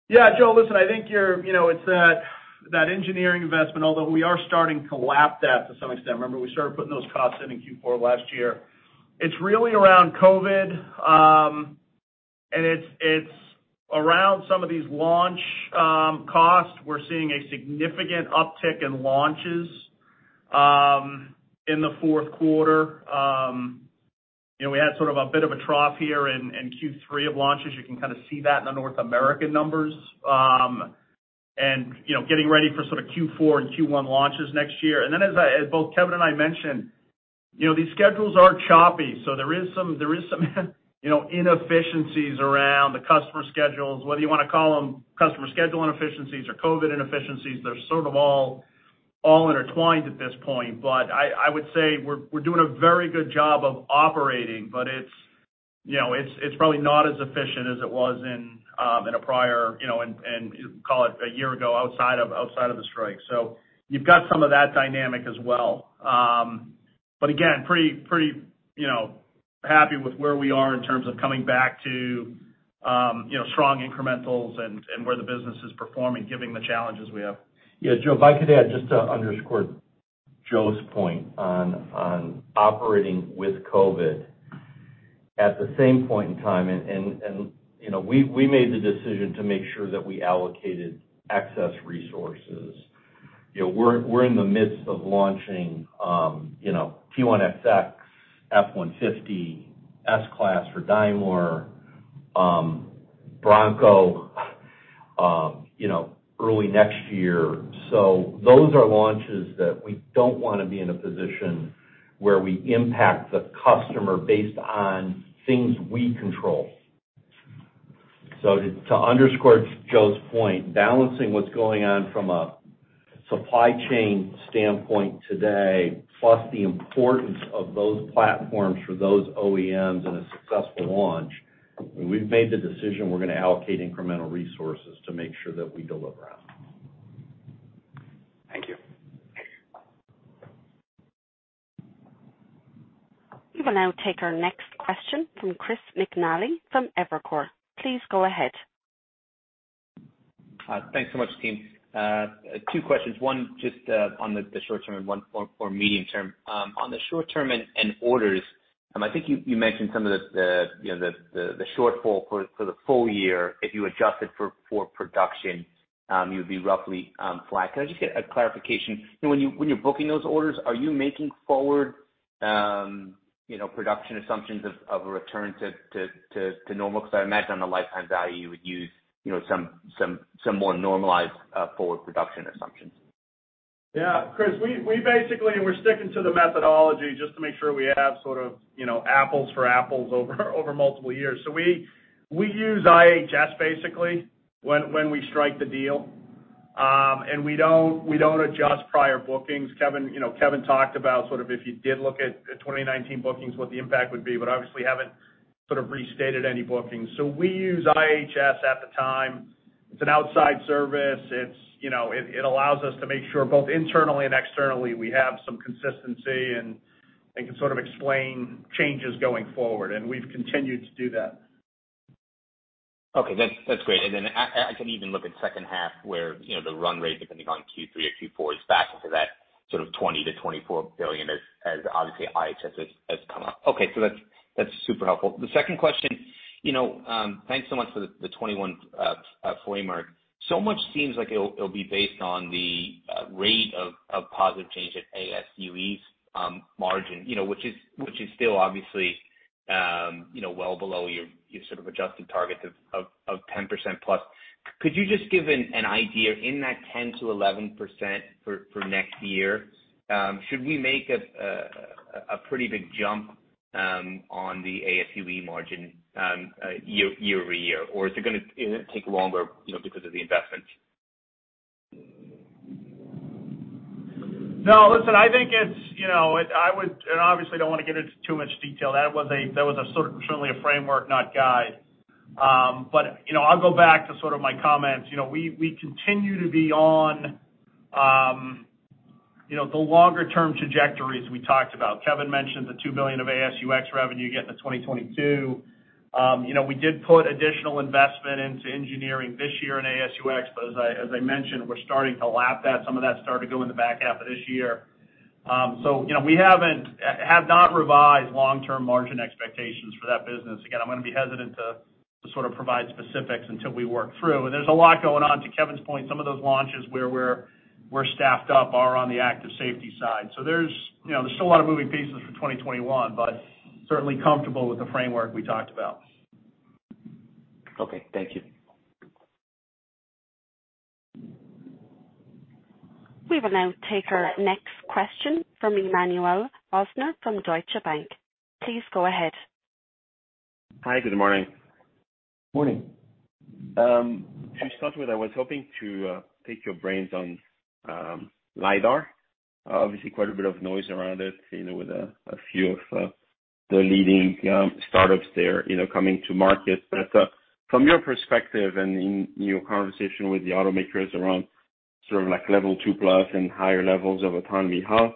S4: Yeah. Jo, listen, I think it's that engineering investment, although we are starting to lap that to some extent. Remember, we started putting those costs in in Q4 last year. It's really around COVID. And it's around some of these launch costs. We're seeing a significant uptick in launches in the fourth quarter. We had sort of a bit of a trough here in Q3 of launches. You can kind of see that in the North American numbers and getting ready for sort of Q4 and Q1 launches next year. And then, as both Kevin and I mentioned, these schedules are choppy. So there is some inefficiencies around the customer schedules, whether you want to call them customer schedule inefficiencies or COVID inefficiencies. They're sort of all intertwined at this point. But I would say we're doing a very good job of operating, but it's probably not as efficient as it was in a prior, and call it a year ago, outside of the strike. So you've got some of that dynamic as well. But again, pretty happy with where we are in terms of coming back to strong incrementals and where the business is performing, given the challenges we have.
S3: Yeah. Jo, if I could add just to underscore Joe's point on operating with COVID at the same point in time, and we made the decision to make sure that we allocated excess resources. We're in the midst of launching T1XX, F-150, S-Class for Daimler, Bronco early next year. So those are launches that we don't want to be in a position where we impact the customer based on things we control. So to underscore Joe's point, balancing what's going on from a supply chain standpoint today, plus the importance of those platforms for those OEMs and a successful launch, we've made the decision we're going to allocate incremental resources to make sure that we deliver on them.
S1: Thank you. We will now take our next question from Chris McNally from Evercore. Please go ahead.
S8: Thanks so much, team. Two questions. One just on the short term and one for medium term. On the short term and orders, I think you mentioned some of the shortfall for the full year. If you adjusted for production, you would be roughly flat. Can I just get a clarification? When you're booking those orders, are you making forward production assumptions of a return to normal? Because I imagine on the lifetime value, you would use some more normalized forward production assumptions.
S4: Yeah. Chris, we basically and we're sticking to the methodology just to make sure we have sort of apples for apples over multiple years. So we use IHS, basically, when we strike the deal. And we don't adjust prior bookings. Kevin talked about sort of if you did look at 2019 bookings, what the impact would be, but obviously haven't sort of restated any bookings. So we use IHS at the time. It's an outside service. It allows us to make sure both internally and externally, we have some consistency and can sort of explain changes going forward. And we've continued to do that.
S8: Okay. That's great. And then I can even look at second half where the run rate, depending on Q3 or Q4, is back into that sort of 20-24 billion, as obviously IHS has come up. Okay. So that's super helpful. The second question, thanks so much for the 21 framework. So much seems like it'll be based on the rate of positive change at AS&UX's margin, which is still obviously well below your sort of adjusted target of 10% plus. Could you just give an idea in that 10-11% for next year? Should we make a pretty big jump on the AS&UX margin year over year? Or is it going to take longer because of the investments?
S4: No. Listen, I think it's and obviously, I don't want to get into too much detail. That was certainly a framework, not guide. But I'll go back to sort of my comments. We continue to be on the longer-term trajectories we talked about. Kevin mentioned the $2 billion of AS&UX revenue getting to 2022. We did put additional investment into engineering this year in AS&UX, but as I mentioned, we're starting to lap that. Some of that started to go in the back half of this year. So we have not revised long-term margin expectations for that business. Again, I'm going to be hesitant to sort of provide specifics until we work through. And there's a lot going on. To Kevin's point, some of those launches where we're staffed up are on the active safety side. So there's still a lot of moving pieces for 2021, but certainly comfortable with the framework we talked about.
S8: Okay. Thank you.
S1: We will now take our next question from Emmanuel Rosner from Deutsche Bank. Please go ahead.
S9: Hi. Good morning. Morning. As we started with, I was hoping to pick your brains on LIDAR. Obviously, quite a bit of noise around it with a few of the leading startups there coming to market. But from your perspective and in your conversation with the automakers around sort of level two plus and higher levels of autonomy, how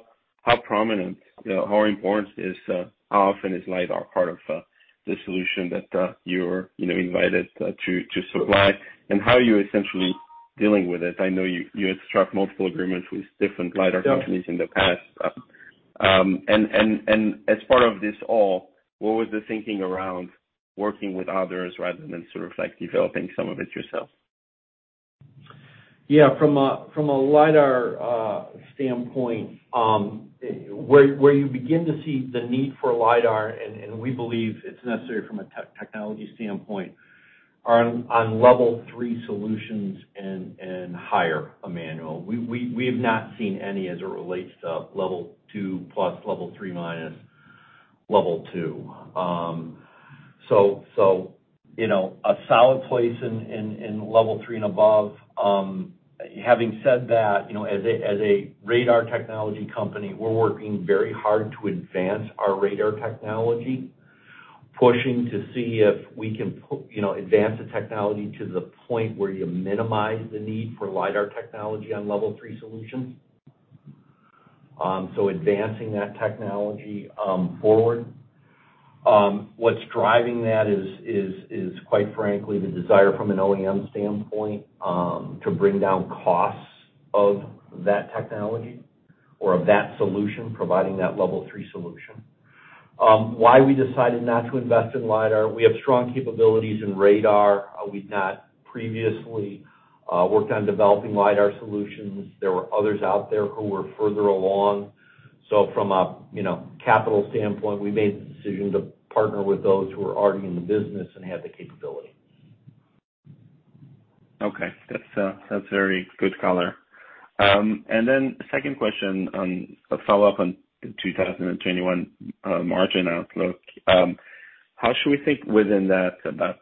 S9: prominent, how important is, how often is LIDAR part of the solution that you were invited to supply, and how are you essentially dealing with it? I know you had struck multiple agreements with different LIDAR companies in the past. And as part of this all, what was the thinking around working with others rather than sort of developing some of it yourself?
S3: Yeah. From a LIDAR standpoint, where you begin to see the need for LIDAR, and we believe it's necessary from a technology standpoint, are on level three solutions and higher, Emmanuel. We have not seen any as it relates to level two plus level three minus level two. So a solid place in level three and above. Having said that, as a radar technology company, we're working very hard to advance our radar technology, pushing to see if we can advance the technology to the point where you minimize the need for LIDAR technology on level three solutions. So advancing that technology forward. What's driving that is, quite frankly, the desire from an OEM standpoint to bring down costs of that technology or of that solution, providing that level three solution. Why we decided not to invest in LIDAR. We have strong capabilities in radar. We've not previously worked on developing LIDAR solutions. There were others out there who were further along. So from a capital standpoint, we made the decision to partner with those who were already in the business and had the capability.
S9: Okay. That's very good color. And then second question, a follow-up on the 2021 margin outlook. How should we think within that about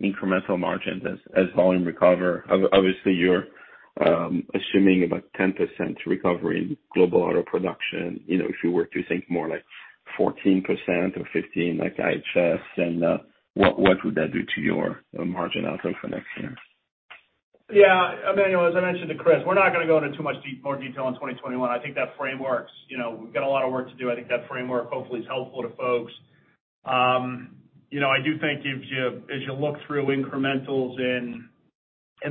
S9: incremental margins as volume recover? Obviously, you're assuming about 10% recovery in global auto production. If you were to think more like 14% or 15% like IHS, then what would that do to your margin outlook for next year?
S3: Yeah. Emmanuel, as I mentioned to Chris, we're not going to go into too much more detail on 2021. I think that framework's we've got a lot of work to do. I think that framework hopefully is helpful to folks. I do think as you look through incrementals in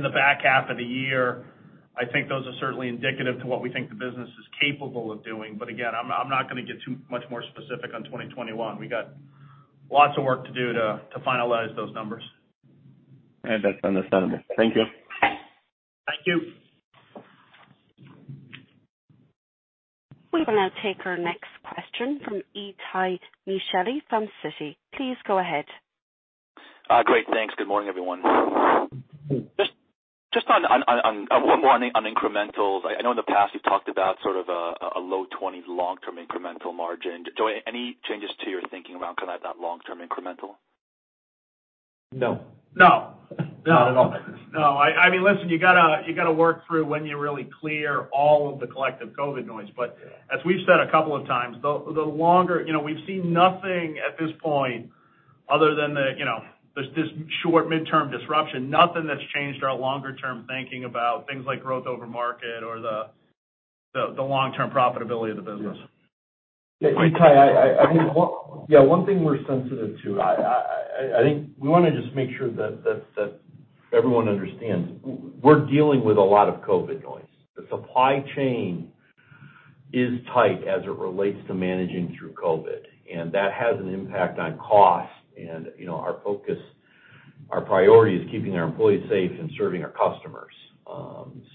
S3: the back half of the year, I think those are certainly indicative to what we think the business is capable of doing. But again, I'm not going to get too much more specific on 2021. We've got lots of work to do to finalize those numbers.
S9: And that's understandable. Thank you.
S3: Thank you.
S1: We will now take our next question from Itay Michaeli from Citi. Please go ahead.
S10: Great. Thanks. Good morning, everyone. Just more on incrementals. I know in the past you've talked about sort of a low 20 long-term incremental margin. Joe, any changes to your thinking around kind of that long-term incremental?
S4: No. No. Not at all. No. I mean, listen, you've got to work through when you're really clear all of the collective COVID noise. But as we've said a couple of times, the longer we've seen nothing at this point other than there's this short midterm disruption. Nothing that's changed our longer-term thinking about things like growth over market or the long-term profitability of the business.
S3: Yeah. I think one thing we're sensitive to. I think we want to just make sure that everyone understands, we're dealing with a lot of COVID noise. The supply chain is tight as it relates to managing through COVID. And that has an impact on cost. And our focus, our priority is keeping our employees safe and serving our customers.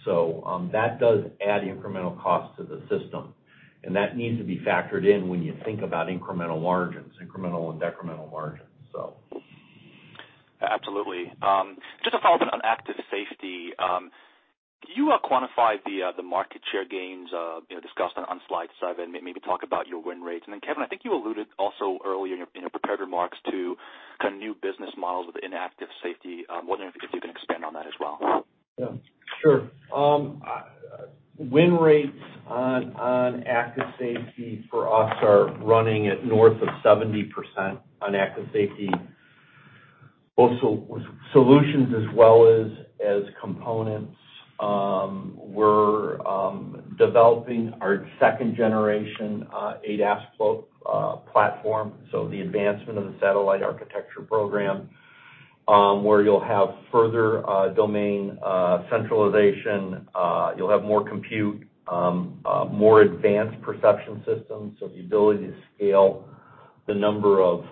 S3: So that does add incremental costs to the system. And that needs to be factored in when you think about incremental margins, incremental and decremental margins, so.
S10: Absolutely. Just a follow-up on Active Safety. Can you quantify the market share gains discussed on slide seven? Maybe talk about your win rates. And then, Kevin, I think you alluded also earlier in your prepared remarks to kind of new business models with active safety. Wonder if you can expand on that as well.
S3: Yeah. Sure. Win rates on active safety for us are running at north of 70% on active safety. Both solutions as well as components. We're developing our second-generation ADAS platform. So the advancement of the Satellite Architecture program where you'll have further domain centralization. You'll have more compute, more advanced perception systems. So the ability to scale the number of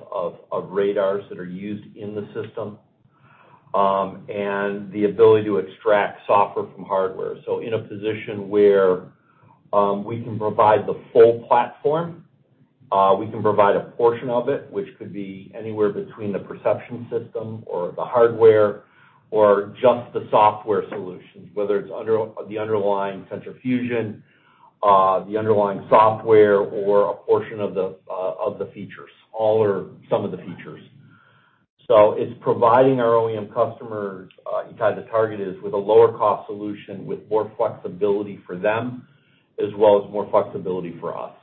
S3: radars that are used in the system and the ability to extract software from hardware. So in a position where we can provide the full platform, we can provide a portion of it, which could be anywhere between the perception system or the hardware or just the software solutions, whether it's the underlying central fusion, the underlying software, or a portion of the features, all or some of the features. So it's providing our OEM customers the target is with a lower-cost solution with more flexibility for them as well as more flexibility for us.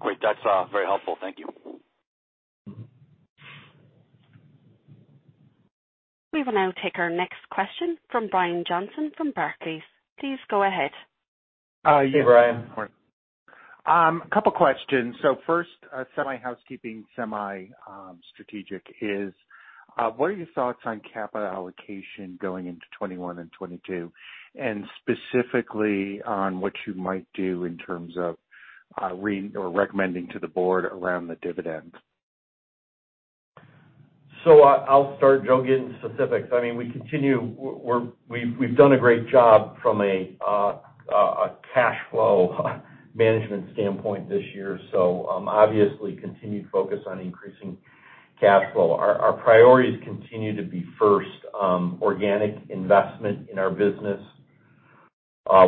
S10: Great. That's very helpful. Thank you.
S1: We will now take our next question from Brian Johnson from Barclays. Please go ahead.
S3: Hey, Brian.
S11: A couple of questions. So first, semi-housekeeping, semi-strategic is what are your thoughts on capital allocation going into 2021 and 2022? And specifically on what you might do in terms of recommending to the board around the dividend.
S3: So I'll start joking specifics. I mean, we've done a great job from a cash flow management standpoint this year. So obviously, continued focus on increasing cash flow. Our priorities continue to be first organic investment in our business,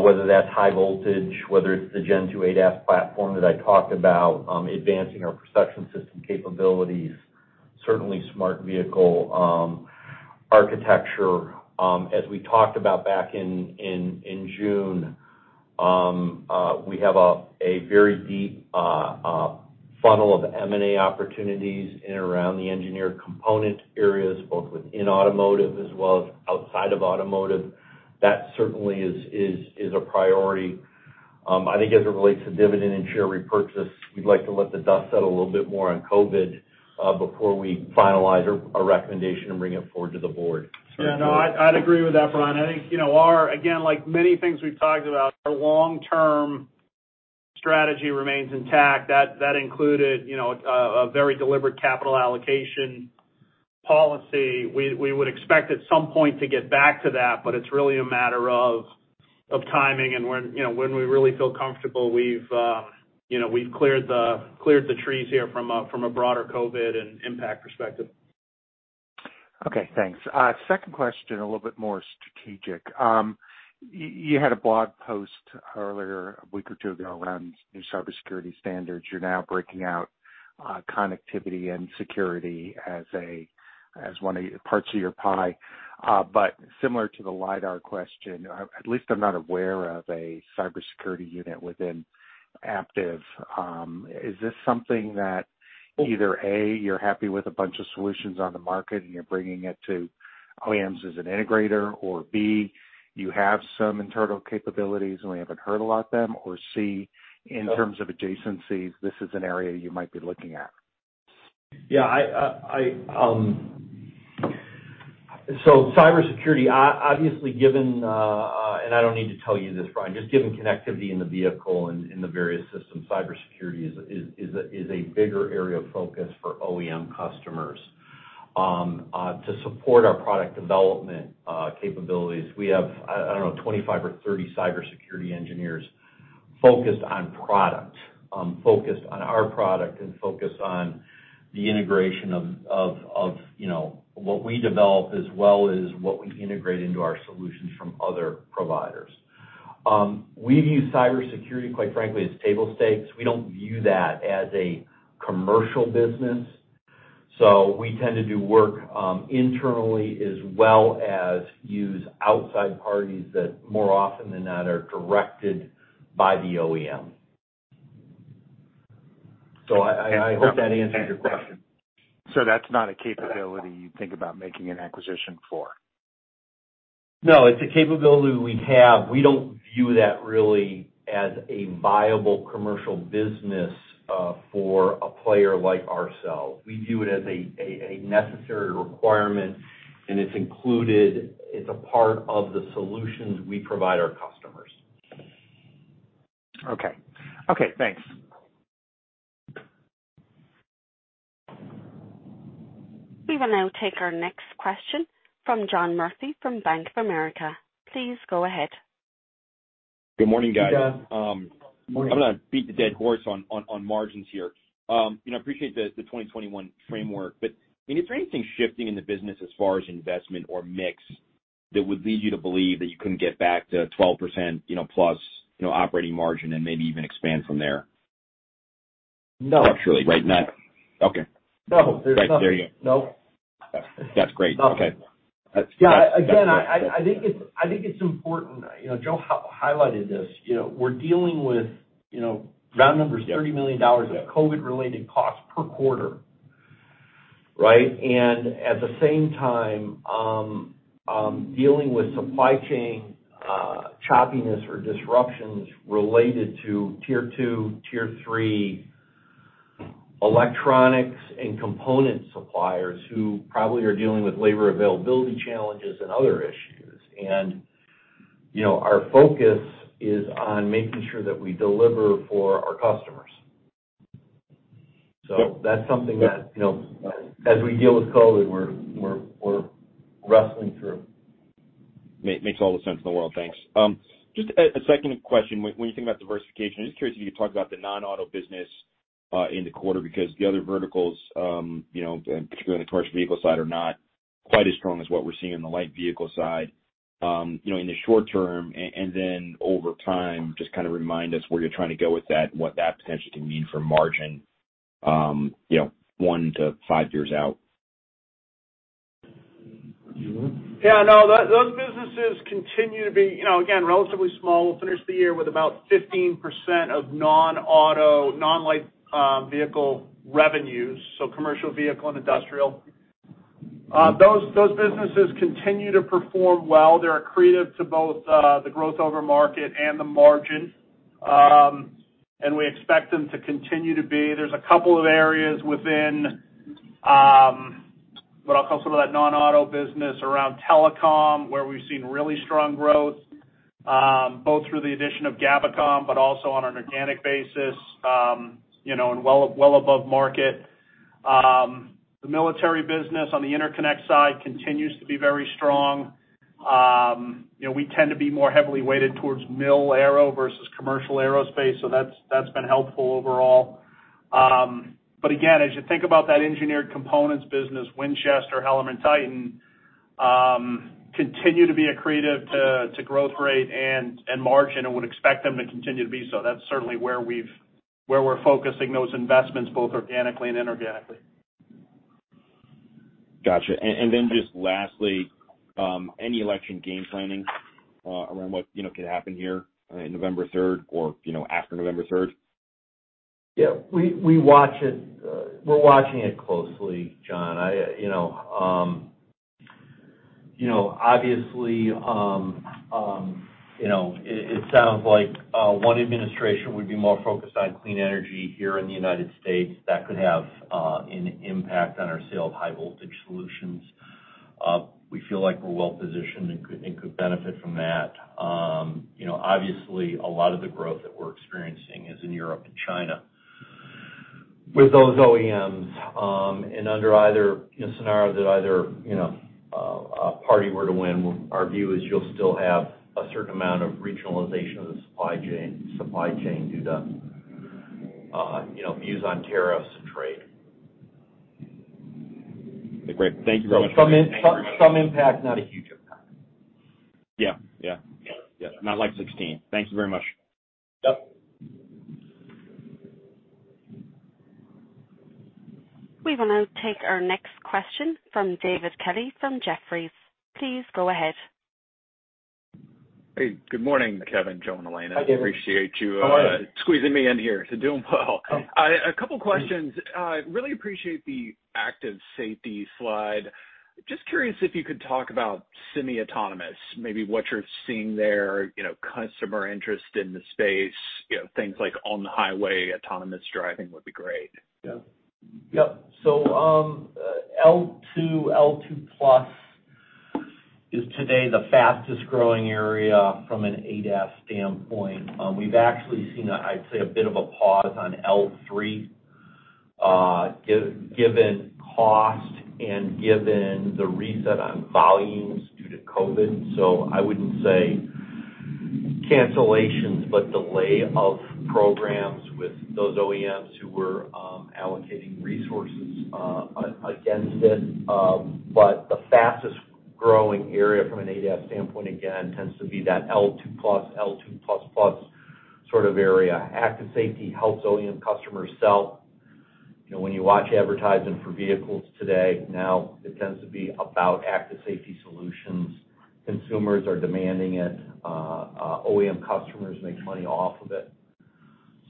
S3: whether that's high voltage, whether it's the Gen 2 ADAS platform that I talked about, advancing our perception system capabilities, certainly smart vehicle architecture. As we talked about back in June, we have a very deep funnel of M&A opportunities in and around the engineered component areas, both within automotive as well as outside of automotive. That certainly is a priority. I think as it relates to dividend and share repurchase, we'd like to let the dust settle a little bit more on COVID before we finalize our recommendation and bring it forward to the board.
S4: Yeah. No, I'd agree with that, Brian. I think, again, like many things we've talked about, our long-term strategy remains intact. That included a very deliberate capital allocation policy. We would expect at some point to get back to that, but it's really a matter of timing. And when we really feel comfortable, we've cleared the trees here from a broader COVID and impact perspective.
S11: Okay. Thanks. Second question, a little bit more strategic. You had a blog post earlier a week or two ago around new cybersecurity standards. You're now breaking out connectivity and security as one of the parts of your pie. But similar to the LIDAR question, at least I'm not aware of a cybersecurity unit within Aptiv. Is this something that either, A, you're happy with a bunch of solutions on the market and you're bringing it to OEMs as an integrator, or B, you have some internal capabilities and we haven't heard a lot of them, or C, in terms of adjacencies, this is an area you might be looking at?
S3: Yeah. So cybersecurity, obviously, given, and I don't need to tell you this, Brian, just given connectivity in the vehicle and in the various systems, cybersecurity is a bigger area of focus for OEM customers. To support our product development capabilities, we have, I don't know, 25 or 30 cybersecurity engineers focused on product, focused on our product, and focused on the integration of what we develop as well as what we integrate into our solutions from other providers. We view cybersecurity, quite frankly, as table stakes. We don't view that as a commercial business. So we tend to do work internally as well as use outside parties that more often than not are directed by the OEM. So I hope that answers your question. So that's not a capability you think about making an acquisition for? No. It's a capability we have. We don't view that really as a viable commercial business for a player like ourselves. We view it as a necessary requirement, and it's included. It's a part of the solutions we provide our customers.
S11: Okay. Okay. Thanks.
S1: We will now take our next question from John Murphy from Bank of America. Please go ahead.
S12: Good morning, guys. I'm going to beat the dead horse on margins here. I appreciate the 2021 framework. But I mean, is there anything shifting in the business as far as investment or mix that would lead you to believe that you can get back to 12% plus operating margin and maybe even expand from there? No. Structurally, right? No. Okay.
S3: No.
S12: There you go.
S3: No.
S12: That's great. Okay.
S3: Yeah. Again, I think it's important. Joe highlighted this. We're dealing with round number is $30 million of COVID-related costs per quarter. Right? And at the same time, dealing with supply chain choppiness or disruptions related to tier two, tier three electronics and component suppliers who probably are dealing with labor availability challenges and other issues. And our focus is on making sure that we deliver for our customers. So that's something that, as we deal with COVID, we're wrestling through.
S12: Makes all the sense in the world. Thanks. Just a second question. When you think about diversification, I'm just curious if you could talk about the non-auto business in the quarter because the other verticals, particularly on the commercial vehicle side, are not quite as strong as what we're seeing on the light vehicle side in the short term. And then over time, just kind of remind us where you're trying to go with that and what that potentially can mean for margin one to five years out.
S4: Yeah. No, those businesses continue to be, again, relatively small. We'll finish the year with about 15% of non-auto, non-light vehicle revenues. So commercial vehicle and industrial. Those businesses continue to perform well. They're accretive to both the growth over market and the margin. And we expect them to continue to be. There's a couple of areas within what I'll call sort of that non-auto business around telecom where we've seen really strong growth, both through the addition of gabocom, but also on an organic basis and well above market. The military business on the interconnect side continues to be very strong. We tend to be more heavily weighted towards mil aero versus commercial aerospace. So that's been helpful overall. But again, as you think about that engineered components business, Winchester, Heller, and Titan continue to be accretive to growth rate and margin. And we'd expect them to continue to be so. That's certainly where we're focusing those investments, both organically and inorganically.
S12: Gotcha. And then just lastly, any election game planning around what could happen here on November 3rd or after November 3rd?
S3: Yeah. We're watching it closely, John. Obviously, it sounds like one administration would be more focused on clean energy here in the United States. That could have an impact on our sales of high-voltage solutions. We feel like we're well-positioned and could benefit from that. Obviously, a lot of the growth that we're experiencing is in Europe and China with those OEMs. And under either scenario that either party were to win, our view is you'll still have a certain amount of regionalization of the supply chain due to views on tariffs and trade.
S12: Great. Thank you very much.
S3: Some impact, not a huge impact.
S12: Yeah. Yeah. Yeah. Not like 16. Thank you very much.
S3: Yep.
S1: We will now take our next question from David Kelley from Jefferies. Please go ahead.
S13: Hey. Good morning, Kevin, Joe, Elena. I appreciate you squeezing me in. I'm doing well. A couple of questions. Really appreciate the Active Safety slide. Just curious if you could talk about semi-autonomous, maybe what you're seeing there, customer interest in the space, things like on the highway, autonomous driving would be great. Yeah.
S3: Yep. So L2, L2 plus is today the fastest growing area from an ADAS standpoint. We've actually seen, I'd say, a bit of a pause on L3 given cost and given the reset on volumes due to COVID. So I wouldn't say cancellations, but delay of programs with those OEMs who were allocating resources against it. But the fastest growing area from an ADAS standpoint, again, tends to be that L2 plus, L2 plus plus sort of area. Active Safety helps OEM customers sell. When you watch advertising for vehicles today, now it tends to be about Active Safety solutions. Consumers are demanding it. OEM customers make money off of it.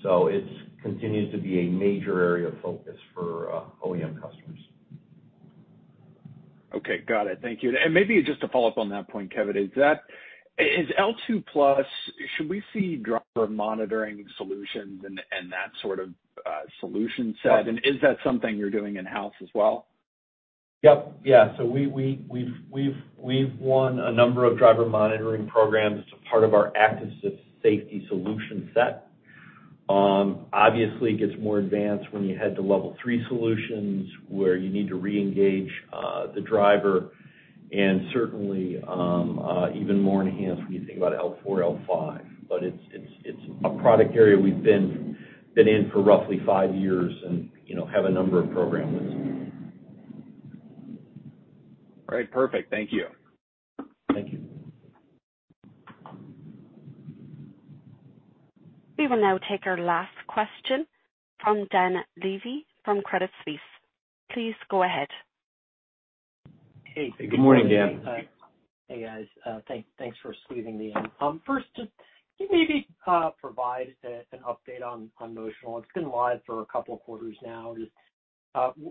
S3: So it continues to be a major area of focus for OEM customers.
S13: Okay. Got it. Thank you. And maybe just to follow up on that point, Kevin, is L2 plus, should we see driver monitoring solutions and that sort of solution set? And is that something you're doing in-house as well?
S3: Yep. Yeah. So we've won a number of driver monitoring programs as part of our active safety solution set. Obviously, it gets more advanced when you head to level three solutions where you need to reengage the driver. And certainly, even more enhanced when you think about L4, L5. But it's a product area we've been in for roughly five years and have a number of programs with.
S13: All right. Perfect. Thank you.
S3: Thank you.
S1: We will now take our last question from Dan Levy from Credit Suisse. Please go ahead.
S3: Hey. Good morning, Dan.
S14: Hey, guys. Thanks for squeezing me in. First, just maybe provide an update on Motional. It's been live for a couple of quarters now.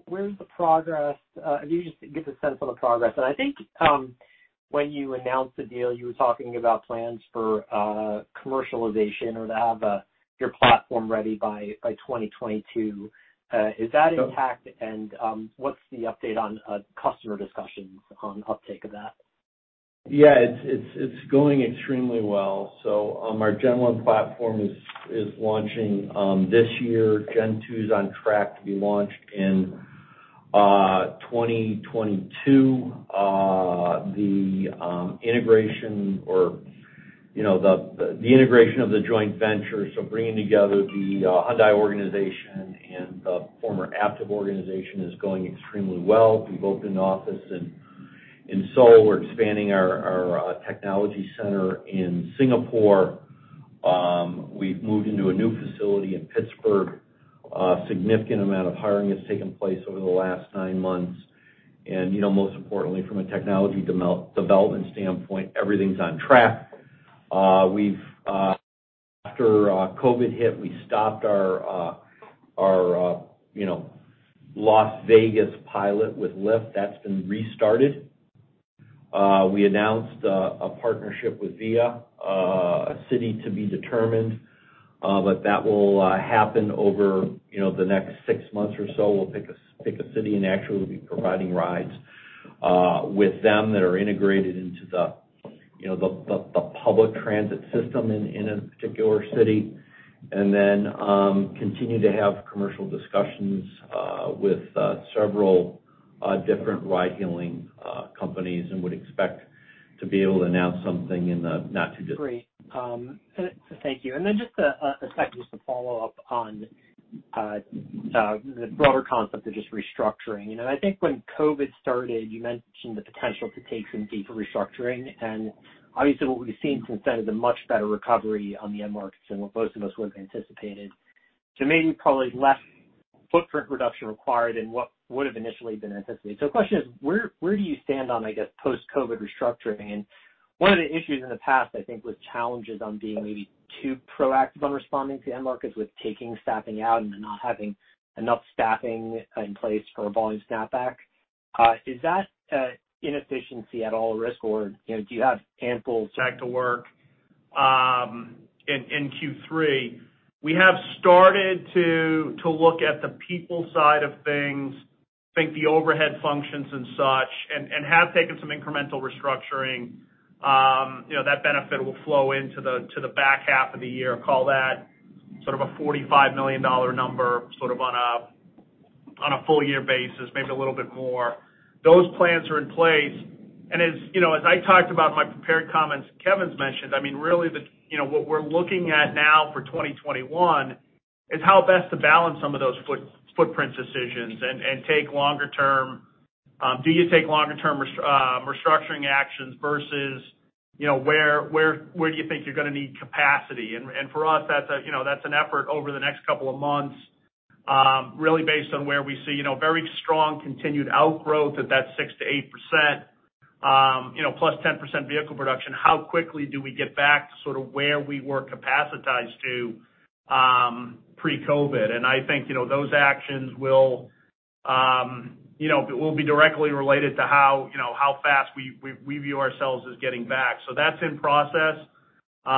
S14: Where's the progress? If you just give a sense of the progress. And I think when you announced the deal, you were talking about plans for commercialization or to have your platform ready by 2022. Is that intact? And what's the update on customer discussions on uptake of that?
S3: Yeah. It's going extremely well. So our general platform is launching this year. Gen 2 is on track to be launched in 2022. The integration of the joint venture, so bringing together the Hyundai organization and the former Aptiv organization, is going extremely well. We've opened an office in Seoul. We're expanding our technology center in Singapore. We've moved into a new facility in Pittsburgh. A significant amount of hiring has taken place over the last nine months, and most importantly, from a technology development standpoint, everything's on track. After COVID hit, we stopped our Las Vegas pilot with Lyft. That's been restarted. We announced a partnership with Via, a city to be determined, but that will happen over the next six months or so. We'll pick a city and actually will be providing rides with them that are integrated into the public transit system in a particular city, and then continue to have commercial discussions with several different ride-hailing companies and would expect to be able to announce something in the not too distant.
S14: Great. Thank you, and then just a second just to follow up on the broader concept of just restructuring, and I think when COVID started, you mentioned the potential to take some deeper restructuring. And obviously, what we've seen since then is a much better recovery on the end markets than what most of us would have anticipated. So maybe probably less footprint reduction required than what would have initially been anticipated. So the question is, where do you stand on, I guess, post-COVID restructuring? And one of the issues in the past, I think, was challenges on being maybe too proactive on responding to end markets with taking staffing out and not having enough staffing in place for a volume snapback. Is that inefficiency at all a risk, or do you have ample back to work?
S4: In Q3, we have started to look at the people side of things, think the overhead functions and such, and have taken some incremental restructuring. That benefit will flow into the back half of the year. Call that sort of a $45 million number sort of on a full-year basis, maybe a little bit more. Those plans are in place, and as I talked about in my prepared comments, Kevin's mentioned, I mean, really what we're looking at now for 2021 is how best to balance some of those footprint decisions and take longer-term restructuring actions versus where do you think you're going to need capacity, and for us, that's an effort over the next couple of months, really based on where we see very strong continued outgrowth at that 6%-8% plus 10% vehicle production. How quickly do we get back to sort of where we were capacitated to pre-COVID, and I think those actions will be directly related to how fast we view ourselves as getting back, so that's in process. But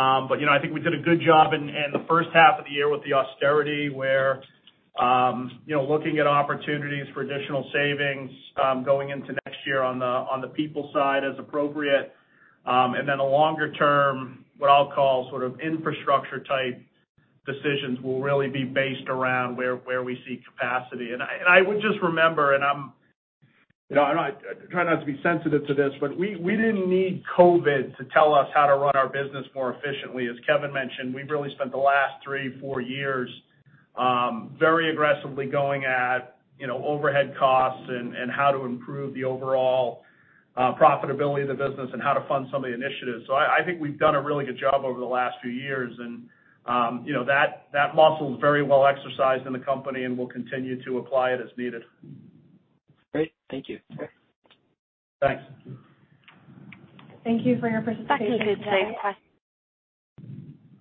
S4: I think we did a good job in the first half of the year with the austerity. We're looking at opportunities for additional savings going into next year on the people side as appropriate. And then the longer-term, what I'll call sort of infrastructure-type decisions will really be based around where we see capacity. And I would just remember, and I'm trying not to be sensitive to this, but we didn't need COVID to tell us how to run our business more efficiently. As Kevin mentioned, we've really spent the last three, four years very aggressively going at overhead costs and how to improve the overall profitability of the business and how to fund some of the initiatives. So I think we've done a really good job over the last few years. And that muscle is very well exercised in the company and will continue to apply it as needed.
S14: Great. Thank you.
S4: Thanks.
S2: Thank you for your participation.
S1: Back into today's question.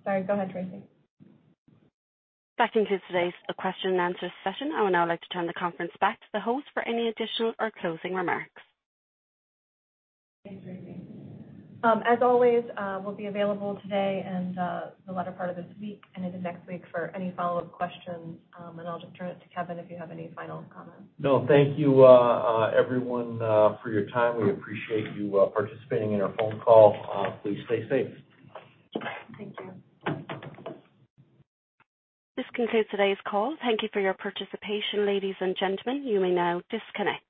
S2: Sorry. Go ahead, Tracy.
S1: Back into today's question and answer session. I would now like to turn the conference back to the host for any additional or closing remarks.
S2: Thanks, Tracy. As always, we'll be available today and the latter part of this week and into next week for any follow-up questions. And I'll just turn it to Kevin if you have any final comments.
S3: No, thank you, everyone, for your time. We appreciate you participating in our phone call. Please stay safe.
S1: Thank you. This concludes today's call. Thank you for your participation, ladies and gentlemen. You may now disconnect.